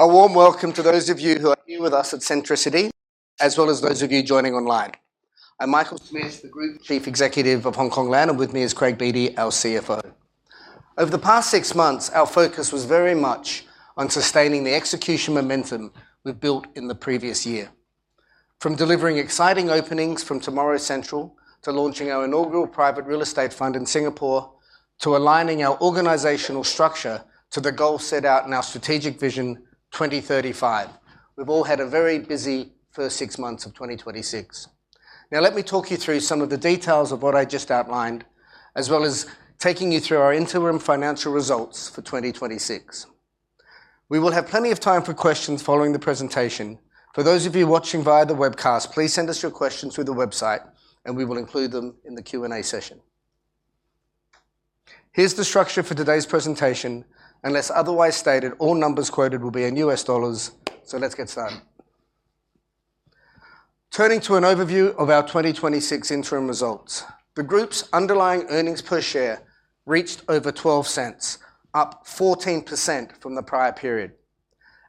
A warm welcome to those of you who are here with us at Centricity, as well as those of you joining online. I'm Michael Smith, the Group Chief Executive of Hongkong Land, and with me is Craig Beattie, our CFO. Over the past six months, our focus was very much on sustaining the execution momentum we've built in the previous year. From delivering exciting openings from Tomorrow's CENTRAL, to launching our inaugural private real estate fund in Singapore, to aligning our organizational structure to the goal set out in our Strategic Vision 2035. We've all had a very busy first six months of 2026. Let me talk you through some of the details of what I just outlined, as well as taking you through our interim financial results for 2026. We will have plenty of time for questions following the presentation. For those of you watching via the webcast, please send us your questions through the website, we will include them in the Q&A session. Here's the structure for today's presentation. Unless otherwise stated, all numbers quoted will be in U.S. dollars. Let's get started. Turning to an overview of our 2026 interim results. The group's underlying earnings per share reached over $0.12, up 14% from the prior period.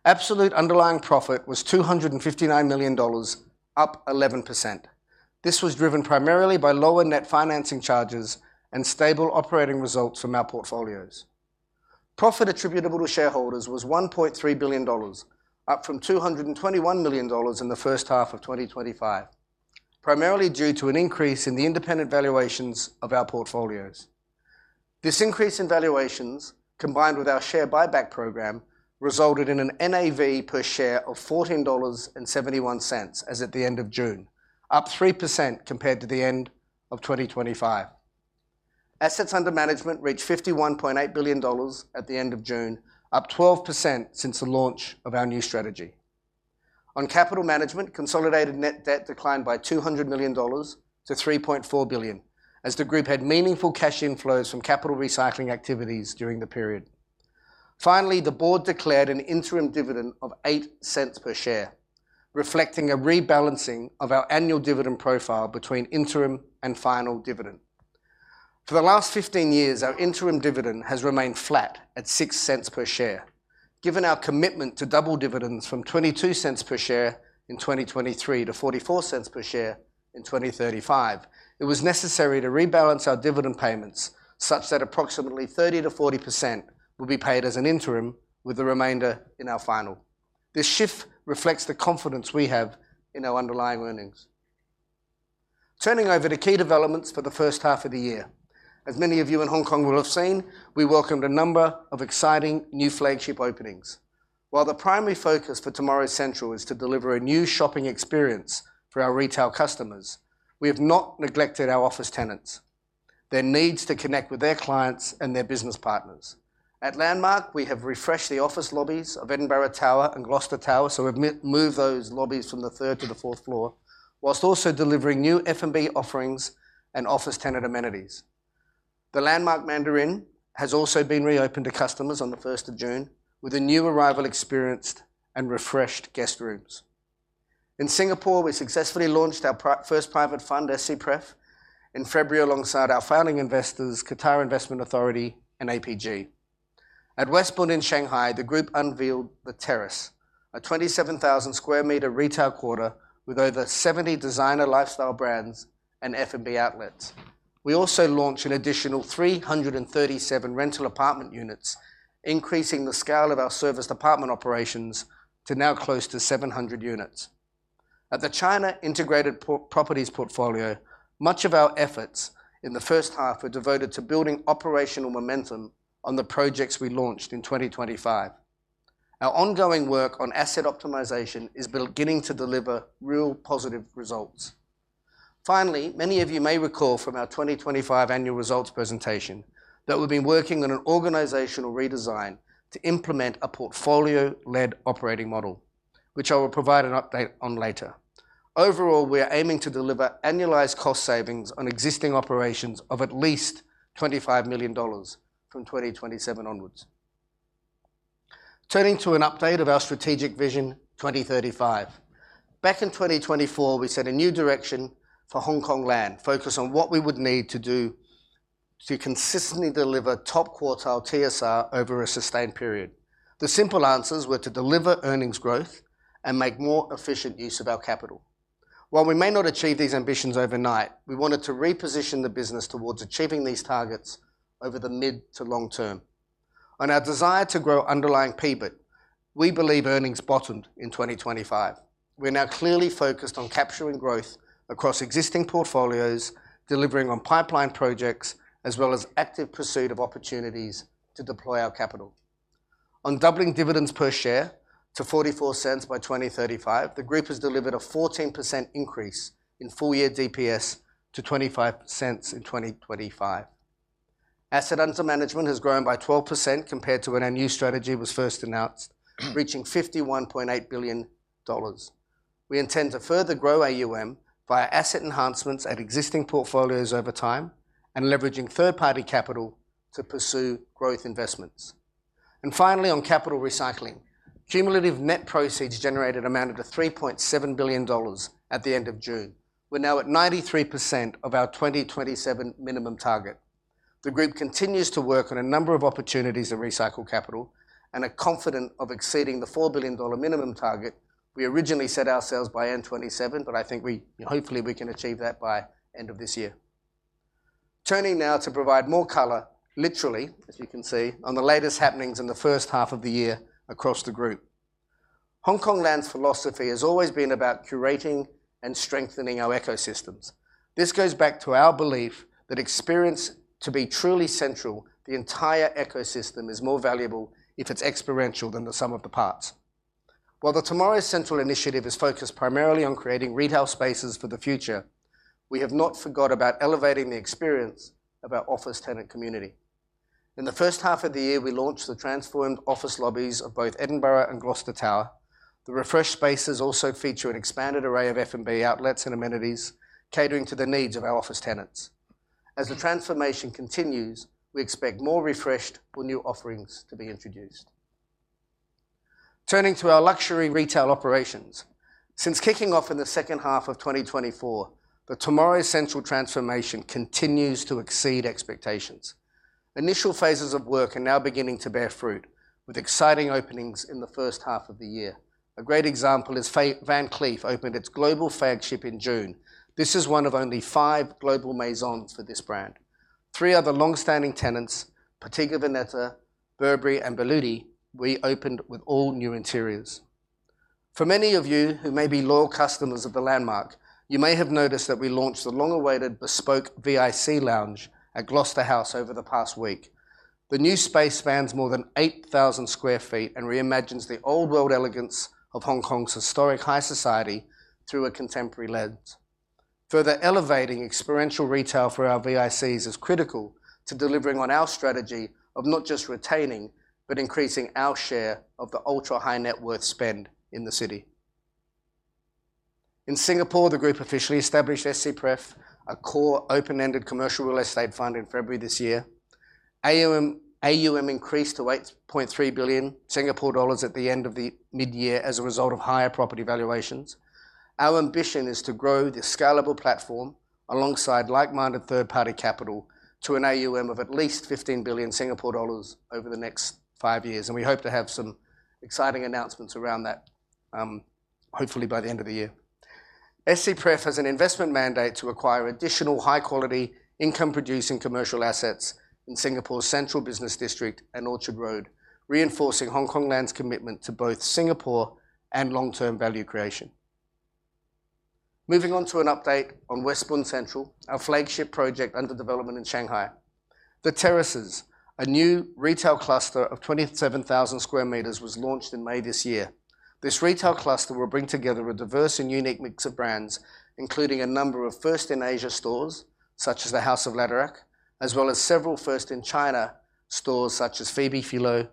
Absolute underlying profit was $259 million, up 11%. This was driven primarily by lower net financing charges and stable operating results from our portfolios. Profit attributable to shareholders was $1.3 billion, up from $221 million in the first half of 2025. Primarily due to an increase in the independent valuations of our portfolios. This increase in valuations, combined with our share buyback program, resulted in an NAV per share of $14.71 as at the end of June, up 3% compared to the end of 2025. Assets under management reached $51.8 billion at the end of June, up 12% since the launch of our new strategy. On capital management, consolidated net debt declined by $200 million to $3.4 billion, as the group had meaningful cash inflows from capital recycling activities during the period. Finally, the board declared an interim dividend of $0.08 per share, reflecting a rebalancing of our annual dividend profile between interim and final dividend. For the last 15 years, our interim dividend has remained flat at $0.06 per share. Given our commitment to double dividends from $0.22 per share in 2023 to $0.44 per share in 2035, it was necessary to rebalance our dividend payments, such that approximately 30%-40% will be paid as an interim, with the remainder in our final. This shift reflects the confidence we have in our underlying earnings. Turning over to key developments for the first half of the year. As many of you in Hong Kong will have seen, we welcomed a number of exciting new flagship openings. While the primary focus for Tomorrow's CENTRAL is to deliver a new shopping experience for our retail customers, we have not neglected our office tenants, their needs to connect with their clients and their business partners. At LANDMARK, we've refreshed the office lobbies of Edinburgh Tower and Gloucester Tower. We've moved those lobbies from the third to the fourth floor, whilst also delivering new F&B offerings and office tenant amenities. The Landmark Mandarin has also been reopened to customers on the 1st of June, with a new arrival experienced and refreshed guest rooms. In Singapore, we successfully launched our first private fund, SCPREF, in February alongside our founding investors, Qatar Investment Authority and APG. At Westbund Central in Shanghai, the group unveiled The Terrace, a 27,000 sq m retail quarter with over 70 designer lifestyle brands and F&B outlets. We also launched an additional 337 rental apartment units, increasing the scale of our serviced apartment operations to now close to 700 units. At the China Integrated Properties portfolio, much of our efforts in the first half were devoted to building operational momentum on the projects we launched in 2025. Our ongoing work on asset optimization is beginning to deliver real positive results. Finally, many of you may recall from our 2025 annual results presentation that we've been working on an organizational redesign to implement a portfolio-led operating model, which I will provide an update on later. We are aiming to deliver annualized cost savings on existing operations of at least $25 million from 2027 onwards. Turning to an update of our Strategic Vision 2035. Back in 2024, we set a new direction for Hongkong Land, focused on what we would need to do to consistently deliver top quartile TSR over a sustained period. The simple answers were to deliver earnings growth and make more efficient use of our capital. While we may not achieve these ambitions overnight, we wanted to reposition the business towards achieving these targets over the mid to long term. On our desire to grow underlying PBIT, we believe earnings bottomed in 2025. We are now clearly focused on capturing growth across existing portfolios, delivering on pipeline projects, as well as active pursuit of opportunities to deploy our capital. On doubling dividends per share to $0.44 by 2035, the group has delivered a 14% increase in full-year DPS to $0.25 in 2025. Asset under management has grown by 12% compared to when our new strategy was first announced, reaching $51.8 billion. We intend to further grow AUM via asset enhancements at existing portfolios over time and leveraging third-party capital to pursue growth investments. Finally, on capital recycling. Cumulative net proceeds generated amounted to $3.7 billion at the end of June. We're now at 93% of our 2027 minimum target. The group continues to work on a number of opportunities to recycle capital and are confident of exceeding the $4 billion minimum target we originally set ourselves by end 2027. I think hopefully we can achieve that by end of this year. Turning now to provide more color, literally, as you can see, on the latest happenings in the first half of the year across the group. Hongkong Land's philosophy has always been about curating and strengthening our ecosystems. This goes back to our belief that experience to be truly central, the entire ecosystem is more valuable if it's experiential than the sum of the parts. While the Tomorrow's CENTRAL initiative is focused primarily on creating retail spaces for the future, we have not forgot about elevating the experience of our office tenant community. In the first half of the year, we launched the transformed office lobbies of both Edinburgh Tower and Gloucester Tower. The refreshed spaces also feature an expanded array of F&B outlets and amenities catering to the needs of our office tenants. As the transformation continues, we expect more refreshed or new offerings to be introduced. Turning to our luxury retail operations. Since kicking off in the second half of 2024, the Tomorrow's CENTRAL transformation continues to exceed expectations. Initial phases of work are now beginning to bear fruit, with exciting openings in the first half of the year. A great example is Van Cleef opened its global flagship in June. This is one of only five global maisons for this brand. Three other longstanding tenants, Bottega Veneta, Burberry and Berluti, reopened with all new interiors. For many of you who may be loyal customers of LANDMARK, you may have noticed that we launched the long-awaited BESPOKE VIC lounge at Gloucester House over the past week. The new space spans more than 8,000 sq ft and reimagines the old world elegance of Hong Kong's historic high society through a contemporary lens. Further elevating experiential retail for our VICs is critical to delivering on our strategy of not just retaining, but increasing our share of the ultra-high net worth spend in the city. In Singapore, the group officially established SCPREF, a core open-ended commercial real estate fund in February this year. AUM increased to 8.3 billion Singapore dollars at the end of the mid-year as a result of higher property valuations. Our ambition is to grow this scalable platform alongside like-minded third-party capital to an AUM of at least 15 billion Singapore dollars over the next five years, and we hope to have some exciting announcements around that, hopefully by the end of the year. SCPREF has an investment mandate to acquire additional high-quality income-producing commercial assets in Singapore's Central Business District and Orchard Road, reinforcing Hongkong Land's commitment to both Singapore and long-term value creation. Moving on to an update on Westbund Central, our flagship project under development in Shanghai. The Terraces, a new retail cluster of 27,000 sq m was launched in May this year. This retail cluster will bring together a diverse and unique mix of brands, including a number of first-in-Asia stores such as the House of Läderach, as well as several first-in-China stores such as Phoebe Philo,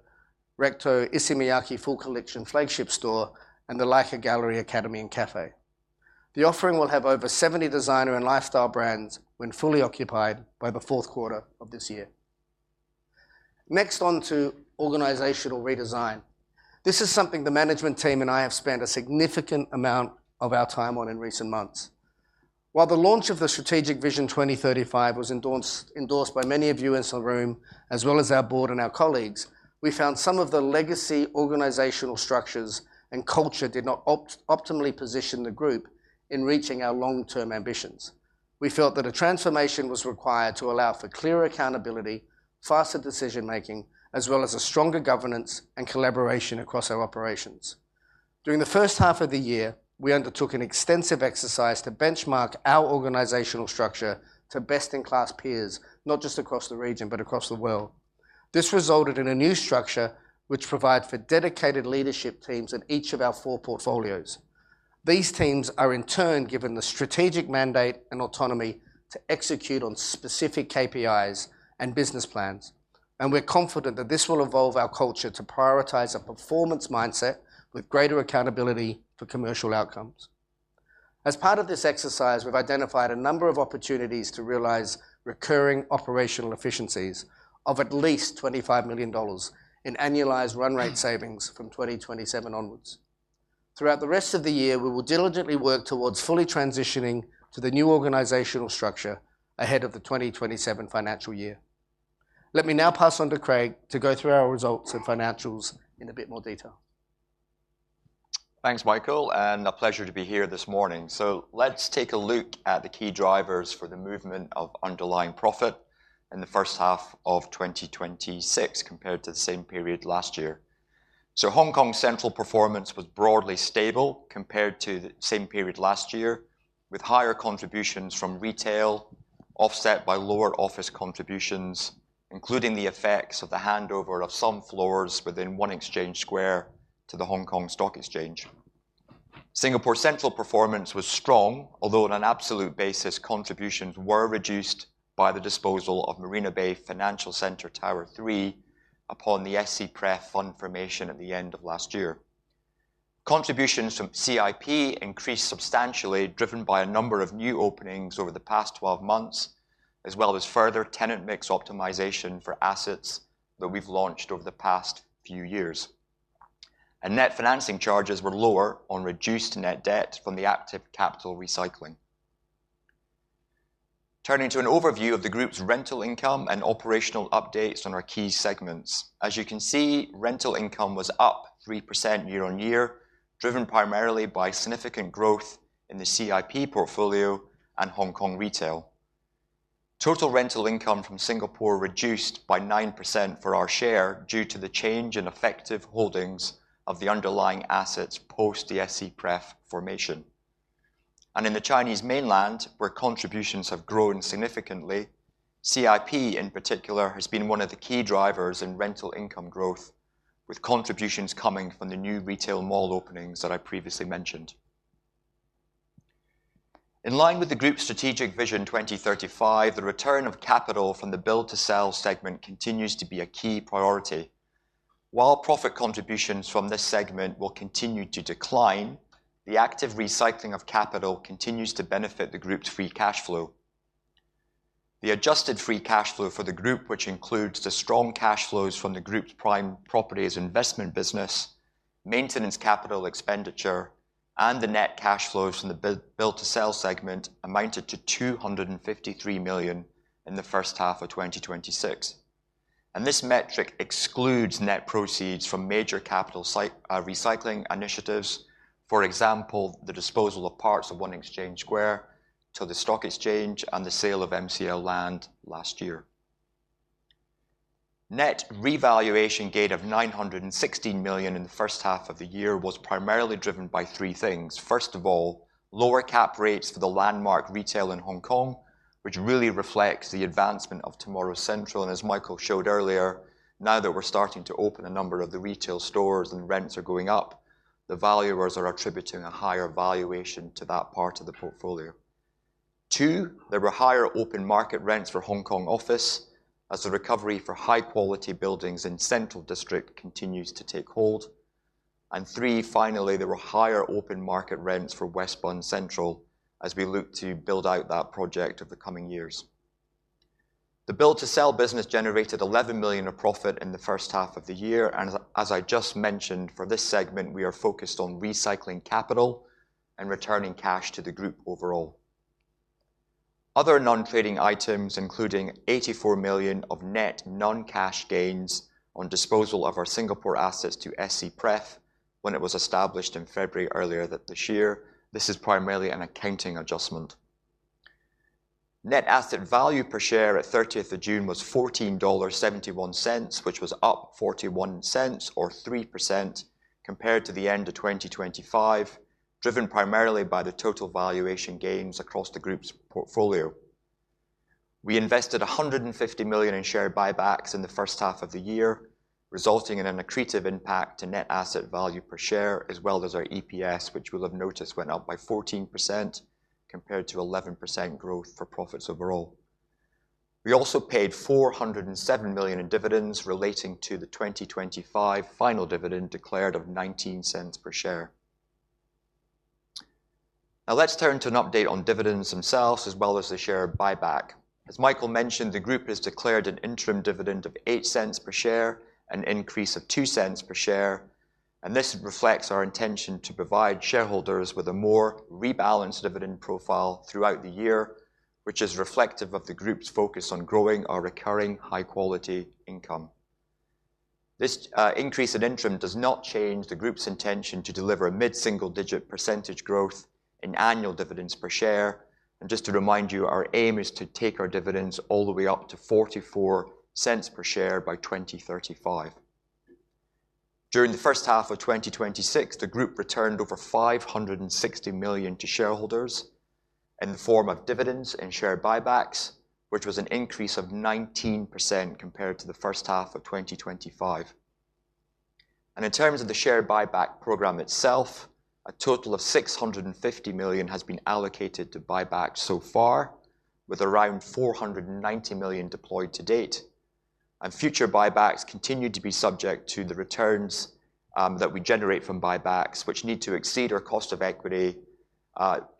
RECTO, Issey Miyake full collection flagship store, and the Leica Store & Gallery, Academy and Cafe. The offering will have over 70 designer and lifestyle brands when fully occupied by the fourth quarter of this year. Next on to organizational redesign. This is something the management team and I have spent a significant amount of our time on in recent months. While the launch of the Strategic Vision 2035 was endorsed by many of you in this room, as well as our board and our colleagues, we found some of the legacy organizational structures and culture did not optimally position the group in reaching our long-term ambitions. We felt that a transformation was required to allow for clearer accountability, faster decision-making, as well as a stronger governance and collaboration across our operations. During the first half of the year, we undertook an extensive exercise to benchmark our organizational structure to best-in-class peers, not just across the region but across the world. This resulted in a new structure which provided for dedicated leadership teams in each of our four portfolios. These teams are in turn given the strategic mandate and autonomy to execute on specific KPIs and business plans, and we're confident that this will evolve our culture to prioritize a performance mindset with greater accountability for commercial outcomes. As part of this exercise, we've identified a number of opportunities to realize recurring operational efficiencies of at least $25 million in annualized run rate savings from 2027 onwards. Throughout the rest of the year, we will diligently work towards fully transitioning to the new organizational structure ahead of the 2027 financial year. Let me now pass on to Craig to go through our results and financials in a bit more detail. Thanks, Michael, a pleasure to be here this morning. Let's take a look at the key drivers for the movement of underlying profit in the first half of 2026 compared to the same period last year. Hongkong Central performance was broadly stable compared to the same period last year, with higher contributions from retail offset by lower office contributions, including the effects of the handover of some floors within One Exchange Square to the Hong Kong Stock Exchange. Singapore Central performance was strong, although on an absolute basis, contributions were reduced by the disposal of Marina Bay Financial Center Tower Three upon the SCPREF fund formation at the end of last year. Contributions from CIP increased substantially, driven by a number of new openings over the past 12 months, as well as further tenant mix optimization for assets that we've launched over the past few years. Net financing charges were lower on reduced net debt from the active capital recycling. Turning to an overview of the group's rental income and operational updates on our key segments. As you can see, rental income was up 3% year-on-year, driven primarily by significant growth in the CIP portfolio and Hong Kong retail. Total rental income from Singapore reduced by 9% for our share due to the change in effective holdings of the underlying assets post the SCPREF formation. In the Chinese mainland, where contributions have grown significantly, CIP in particular has been one of the key drivers in rental income growth, with contributions coming from the new retail mall openings that I previously mentioned. In line with the group's Strategic Vision 2035, the return of capital from the build-to-sell segment continues to be a key priority. While profit contributions from this segment will continue to decline, the active recycling of capital continues to benefit the group's free cash flow. The adjusted free cash flow for the group, which includes the strong cash flows from the group's prime properties investment business, maintenance capital expenditure, and the net cash flows from the build-to-sell segment amounted to $253 million in the first half of 2026. This metric excludes net proceeds from major capital recycling initiatives. For example, the disposal of parts of One Exchange Square to the Hong Kong Stock Exchange and the sale of MCL Land last year. Net revaluation gain of $916 million in the first half of the year was primarily driven by three things. First of all, lower cap rates for the LANDMARK retail in Hong Kong, which really reflects the advancement of Tomorrow's CENTRAL. As Michael showed earlier, now that we're starting to open a number of the retail stores and rents are going up, the valuers are attributing a higher valuation to that part of the portfolio. Two, there were higher open market rents for Hong Kong office as the recovery for high-quality buildings in Central District continues to take hold. Three, finally, there were higher open market rents for Westbund Central as we look to build out that project over the coming years. The build-to-sell business generated $11 million of profit in the first half of the year. As I just mentioned, for this segment, we are focused on recycling capital and returning cash to the group overall. Other non-trading items including $84 million of net non-cash gains on disposal of our Singapore assets to SCPREF when it was established in February earlier this year. This is primarily an accounting adjustment. Net asset value per share at 30th of June was $14.71, which was up $0.41 or 3% compared to the end of 2025, driven primarily by the total valuation gains across the group's portfolio. We invested $150 million in share buybacks in the first half of the year, resulting in an accretive impact to net asset value per share, as well as our EPS, which you'll have noticed went up by 14% compared to 11% growth for profits overall. We also paid $407 million in dividends relating to the 2025 final dividend declared of $0.19 per share. Now let's turn to an update on dividends themselves as well as the share buyback. As Michael mentioned, the group has declared an interim dividend of $0.08 per share, an increase of $0.02 per share, and this reflects our intention to provide shareholders with a more rebalanced dividend profile throughout the year, which is reflective of the group's focus on growing our recurring high-quality income. This increase in interim does not change the group's intention to deliver a mid-single-digit percentage growth in annual dividends per share. Just to remind you, our aim is to take our dividends all the way up to $0.44 per share by 2035. During the first half of 2026, the group returned over $560 million to shareholders in the form of dividends and share buybacks, which was an increase of 19% compared to the first half of 2025. In terms of the share buyback program itself, a total of $650 million has been allocated to buyback so far, with around $490 million deployed to date. Future buybacks continue to be subject to the returns that we generate from buybacks, which need to exceed our cost of equity,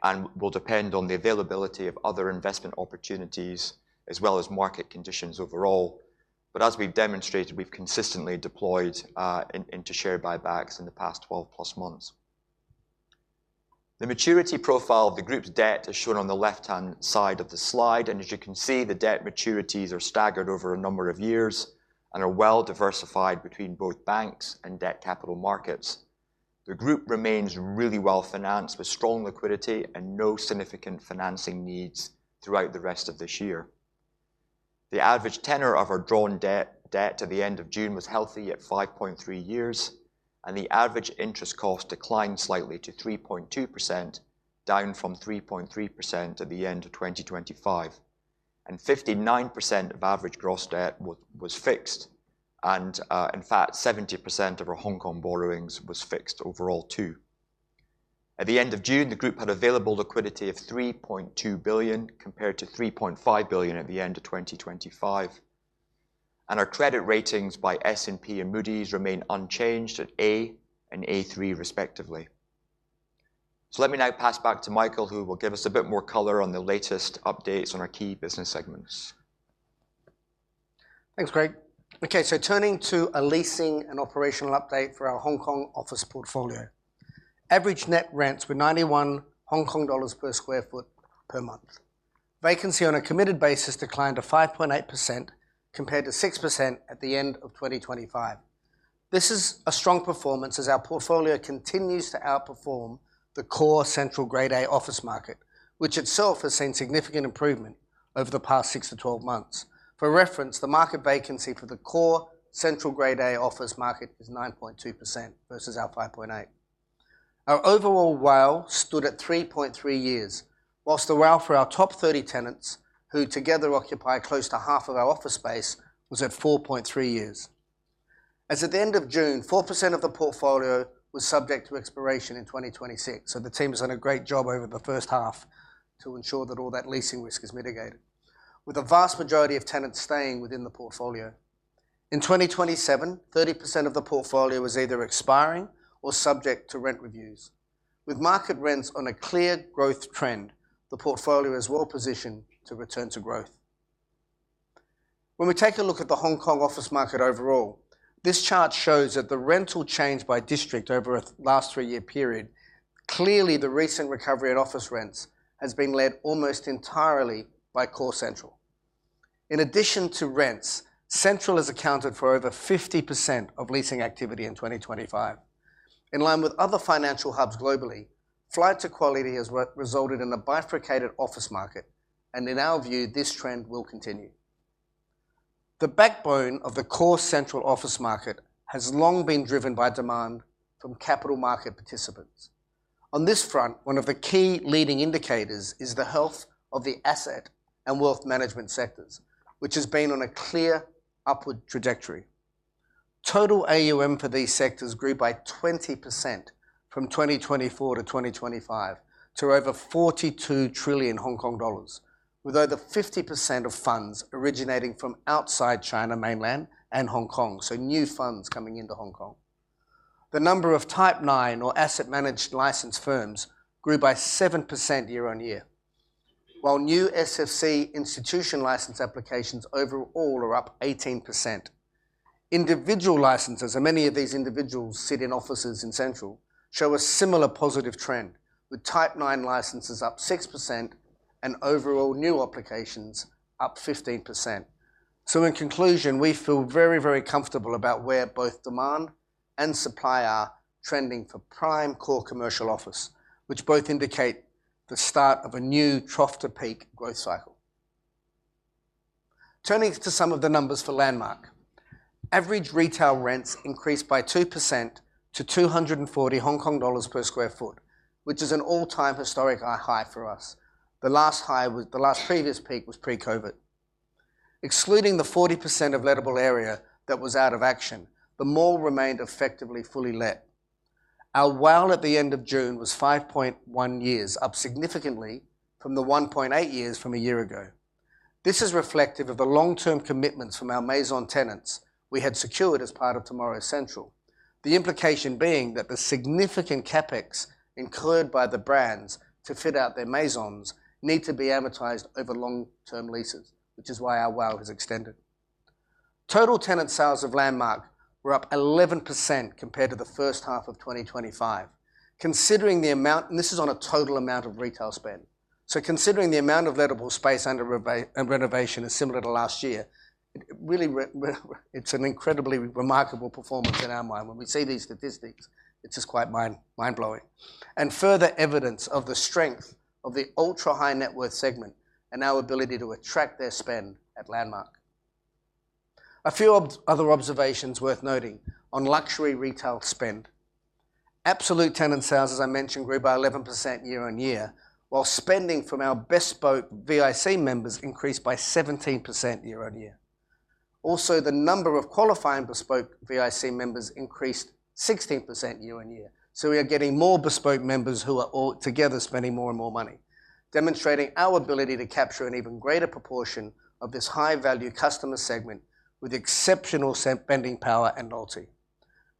and will depend on the availability of other investment opportunities as well as market conditions overall. As we've demonstrated, we've consistently deployed into share buybacks in the past 12+ months. The maturity profile of the group's debt is shown on the left-hand side of the slide, as you can see, the debt maturities are staggered over a number of years and are well diversified between both banks and debt capital markets. The group remains really well financed with strong liquidity and no significant financing needs throughout the rest of this year. The average tenor of our drawn debt to the end of June was healthy at 5.3 years, the average interest cost declined slightly to 3.2%, down from 3.3% at the end of 2025. 59% of average gross debt was fixed and, in fact, 70% of our Hong Kong borrowings was fixed overall too. At the end of June, the group had available liquidity of $3.2 billion compared to $3.5 billion at the end of 2025. Our credit ratings by S&P and Moody's remain unchanged at A and A3 respectively. Let me now pass back to Michael, who will give us a bit more color on the latest updates on our key business segments. Thanks, Craig. Turning to a leasing and operational update for our Hong Kong office portfolio. Average net rents were 91 Hong Kong dollars /sq ft per month. Vacancy on a committed basis declined to 5.8%, compared to 6% at the end of 2025. This is a strong performance as our portfolio continues to outperform the Core Central Grade A office market, which itself has seen significant improvement over the past six to 12 months. For reference, the market vacancy for the Core Central Grade A office market is 9.2% versus our 5.8%. Our overall WALE stood at 3.3 years, whilst the WALE for our top 30 tenants, who together occupy close to half of our office space, was at 4.3 years. As at the end of June, 4% of the portfolio was subject to expiration in 2026. The team has done a great job over the first half to ensure that all that leasing risk is mitigated, with a vast majority of tenants staying within the portfolio. In 2027, 30% of the portfolio is either expiring or subject to rent reviews. With market rents on a clear growth trend, the portfolio is well-positioned to return to growth. When we take a look at the Hong Kong office market overall, this chart shows that the rental change by district over a last three-year period. Clearly, the recent recovery at office rents has been led almost entirely by Core Central. In addition to rents, Central has accounted for over 50% of leasing activity in 2025. In line with other financial hubs globally, flight to quality has resulted in a bifurcated office market, in our view, this trend will continue. The backbone of the Core Central office market has long been driven by demand from capital market participants. On this front, one of the key leading indicators is the health of the asset and wealth management sectors, which has been on a clear upward trajectory. Total AUM for these sectors grew by 20% from 2024 to 2025, to over 42 trillion Hong Kong dollars, with over 50% of funds originating from outside China mainland and Hong Kong. New funds coming into Hong Kong. The number of Type 9 or asset managed licensed firms grew by 7% year-on-year, while new SFC institution license applications overall are up 18%. Individual licenses, and many of these individuals sit in offices in Central, show a similar positive trend, with Type 9 licenses up 6% and overall new applications up 15%. In conclusion, we feel very, very comfortable about where both demand and supply are trending for prime Core Commercial office, which both indicate the start of a new trough-to-peak growth cycle. Turning to some of the numbers for LANDMARK. Average retail rents increased by 2% to 240 Hong Kong dollars /sq ft, which is an all-time historic high for us. The last previous peak was pre-COVID. Excluding the 40% of lettable area that was out of action, the mall remained effectively fully let. Our WALE at the end of June was 5.1 years, up significantly from the 1.8 years from a year ago. This is reflective of the long-term commitments from our maisons tenants we had secured as part of Tomorrow's CENTRAL. The implication being that the significant CapEx incurred by the brands to fit out their maisons need to be amortized over long-term leases, which is why our WALE has extended. Total tenant sales of LANDMARK were up 11% compared to the first half of 2025. This is on a total amount of retail spend. Considering the amount of lettable space under renovation is similar to last year, it is an incredibly remarkable performance in our mind. When we see these statistics, it is just quite mind-blowing. Further evidence of the strength of the ultra-high-net-worth segment and our ability to attract their spend at LANDMARK. A few other observations worth noting on luxury retail spend. Absolute tenant sales, as I mentioned, grew by 11% year-on-year, while spending from our BESPOKE VIC members increased by 17% year-on-year. Also, the number of qualifying BESPOKE VIC members increased 16% year-on-year. We are getting more BESPOKE members who are all together spending more and more money, demonstrating our ability to capture an even greater proportion of this high-value customer segment with exceptional spending power and loyalty.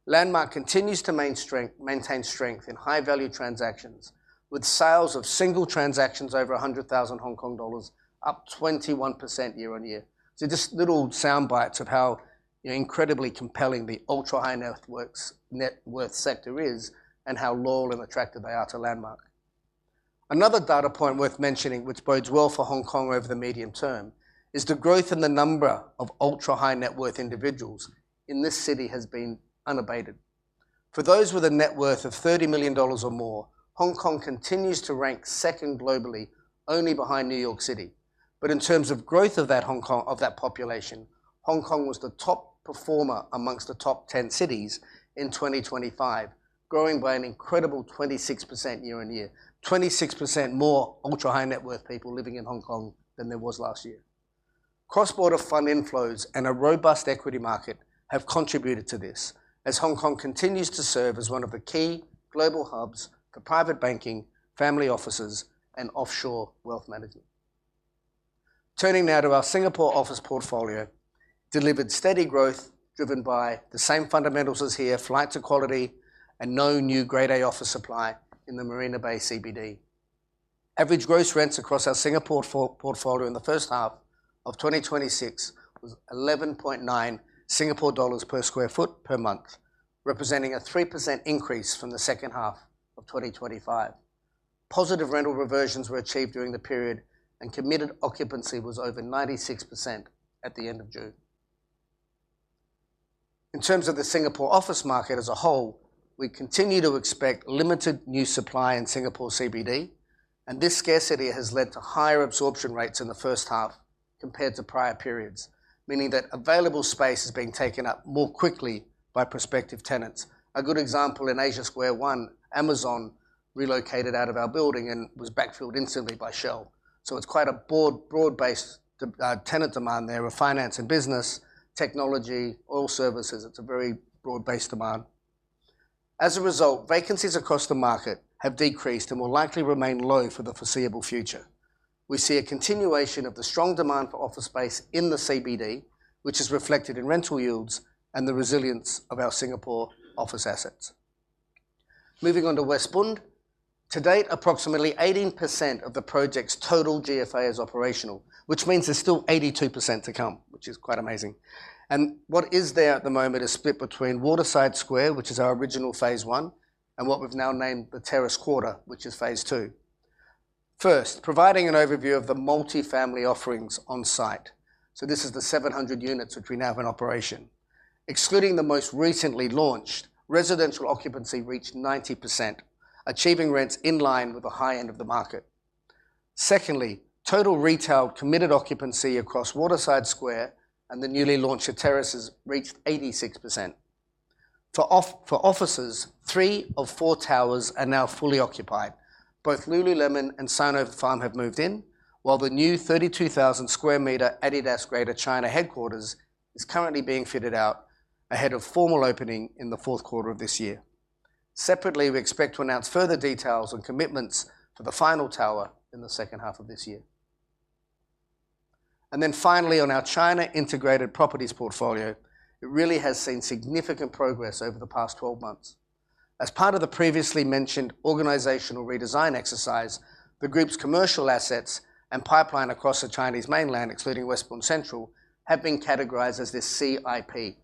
LANDMARK continues to maintain strength in high-value transactions, with sales of single transactions over 100,000 Hong Kong dollars up 21% year-on-year. Just little soundbites of how incredibly compelling the ultra-high-net-worth sector is and how loyal and attractive they are to LANDMARK. Another data point worth mentioning, which bodes well for Hong Kong over the medium term, is the growth in the number of ultra-high-net-worth individuals in this city has been unabated. For those with a net worth of $30 million or more, Hong Kong continues to rank second globally, only behind New York City. In terms of growth of that population, Hong Kong was the top performer amongst the top 10 cities in 2025, growing by an incredible 26% year-on-year. 26% more ultra-high-net-worth people living in Hong Kong than there was last year. Cross-border fund inflows and a robust equity market have contributed to this, as Hong Kong continues to serve as one of the key global hubs for private banking, family offices and offshore wealth management. Turning now to our Singapore office portfolio, delivered steady growth driven by the same fundamentals as here, flight to quality and no new Grade A office supply in the Marina Bay CBD. Average gross rents across our Singapore portfolio in the first half of 2026 was 11.9 Singapore dollars /sq ft per month, representing a 3% increase from the second half of 2025. Positive rental reversions were achieved during the period, committed occupancy was over 96% at the end of June. In terms of the Singapore office market as a whole, we continue to expect limited new supply in Singapore CBD, this scarcity has led to higher absorption rates in the first half compared to prior periods, meaning that available space is being taken up more quickly by prospective tenants. A good example in Asia Square Tower 1, Amazon relocated out of our building and was backfilled instantly by Shell. It's quite a broad-based tenant demand there of finance and business, technology, oil services. It's a very broad-based demand. As a result, vacancies across the market have decreased and will likely remain low for the foreseeable future. We see a continuation of the strong demand for office space in the CBD, which is reflected in rental yields and the resilience of our Singapore office assets. Moving on to Westbund Central. To date, approximately 18% of the project's total GFA is operational, which means there's still 82% to come, which is quite amazing. What is there at the moment is split between Waterside Square, which is our original phase one, and what we've now named The Terrace Quarter, which is phase one. First, providing an overview of the multifamily offerings on site. This is the 700 units which we now have in operation. Excluding the most recently launched, residential occupancy reached 90%, achieving rents in line with the high end of the market. Secondly, total retail committed occupancy across Waterside Square and the newly launched The Terraces reached 86%. For offices, three of four towers are now fully occupied. Both lululemon and [Sano Farm] have moved in, while the new 32,000 sq m Adidas Greater China headquarters is currently being fitted out ahead of formal opening in the fourth quarter of this year. Separately, we expect to announce further details on commitments for the final tower in the second half of this year. Finally, on our China Integrated Properties portfolio, it really has seen significant progress over the past 12 months. As part of the previously mentioned organizational redesign exercise, the group's commercial assets and pipeline across the Chinese mainland, including Westbund Central, have been categorized as this CIP.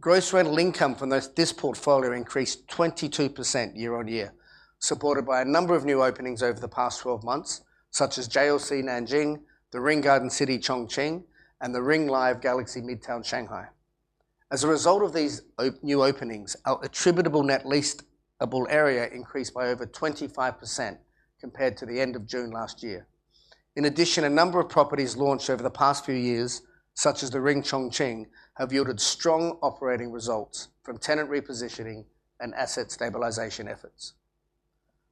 Gross rental income from this portfolio increased 22% year-over-year, supported by a number of new openings over the past 12 months, such as JLC Nanjing, The Ring Garden City Chongqing, and The Ring Live Galaxy Midtown Shanghai. As a result of these new openings, our attributable net leasable area increased by over 25% compared to the end of June last year. In addition, a number of properties launched over the past few years, such as The Ring, Chongqing, have yielded strong operating results from tenant repositioning and asset stabilization efforts.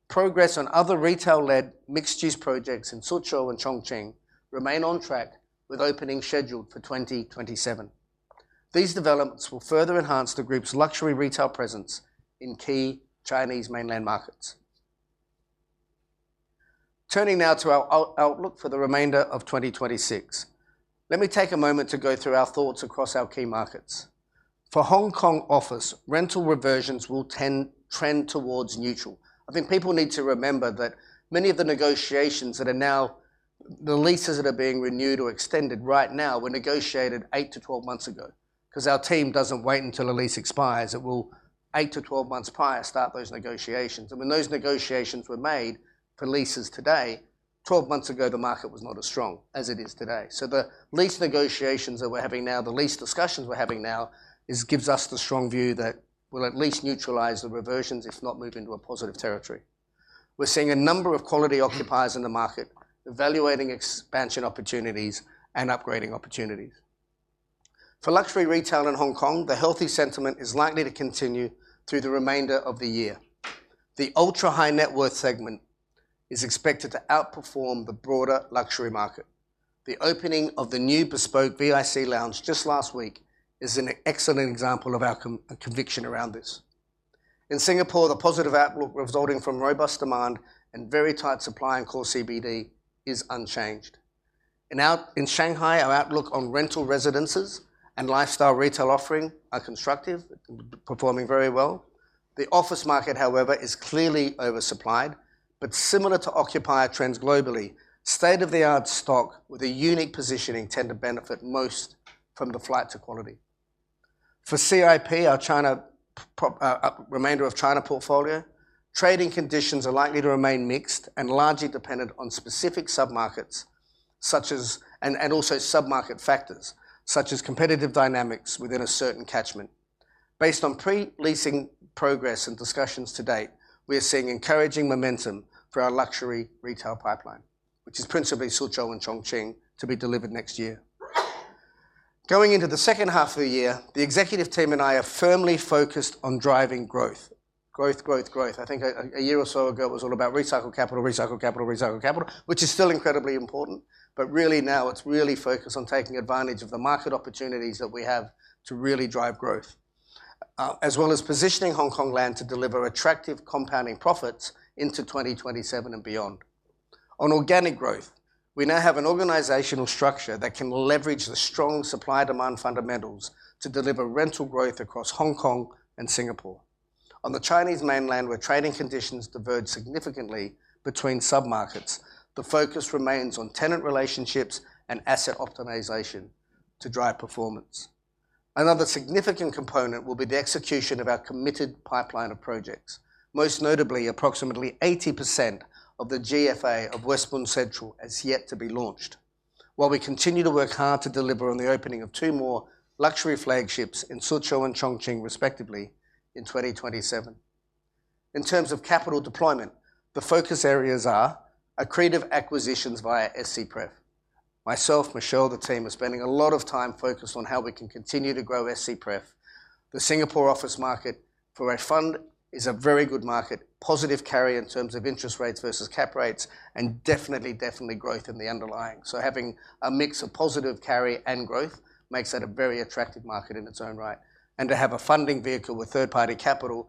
Progress on other retail-led mixed-use projects in Suzhou and Chongqing remain on track with opening scheduled for 2027. These developments will further enhance the group's luxury retail presence in key Chinese mainland markets. Turning now to our outlook for the remainder of 2026. Let me take a moment to go through our thoughts across our key markets. For Hong Kong office, rental reversions will trend towards neutral. I think people need to remember that many of the negotiations, the leases that are being renewed or extended right now were negotiated 8-12 months ago, because our team doesn't wait until the lease expires. It will 8-12 months prior, start those negotiations. When those negotiations were made for leases today, 12 months ago, the market was not as strong as it is today. The lease negotiations that we're having now, the lease discussions we're having now, gives us the strong view that we'll at least neutralize the reversions, if not move into a positive territory. We're seeing a number of quality occupiers in the market evaluating expansion opportunities and upgrading opportunities. For luxury retail in Hong Kong, the healthy sentiment is likely to continue through the remainder of the year. The ultra-high-net-worth segment is expected to outperform the broader luxury market. The opening of the new BESPOKE VIC Lounge just last week is an excellent example of our conviction around this. In Singapore, the positive outlook resulting from robust demand and very tight supply in core CBD is unchanged. In Shanghai, our outlook on rental residences and lifestyle retail offering are constructive, performing very well. The office market, however, is clearly oversupplied, but similar to occupier trends globally, state-of-the-art stock with a unique positioning tend to benefit most from the flight to quality. For CIP, our remainder of China portfolio, trading conditions are likely to remain mixed and largely dependent on specific submarkets and also submarket factors, such as competitive dynamics within a certain catchment. Based on pre-leasing progress and discussions to date, we are seeing encouraging momentum for our luxury retail pipeline, which is principally Suzhou and Chongqing, to be delivered next year. Going into the second half of the year, the executive team and I are firmly focused on driving growth. Growth. I think a year or so ago, it was all about recycle capital, which is still incredibly important. Really now it's really focused on taking advantage of the market opportunities that we have to really drive growth, as well as positioning Hongkong Land to deliver attractive compounding profits into 2027 and beyond. On organic growth, we now have an organizational structure that can leverage the strong supply-demand fundamentals to deliver rental growth across Hong Kong and Singapore. On the Chinese mainland, where trading conditions diverge significantly between submarkets, the focus remains on tenant relationships and asset optimization to drive performance. Another significant component will be the execution of our committed pipeline of projects. Most notably, approximately 80% of the GFA of Westbund Central is yet to be launched. While we continue to work hard to deliver on the opening of two more luxury flagships in Suzhou and Chongqing, respectively, in 2027. In terms of capital deployment, the focus areas are accretive acquisitions via SCPREF. Myself, Michelle, the team are spending a lot of time focused on how we can continue to grow SCPREF. The Singapore office market for our fund is a very good market. Positive carry in terms of interest rates versus cap rates, and definitely growth in the underlying. Having a mix of positive carry and growth makes that a very attractive market in its own right. To have a funding vehicle with third-party capital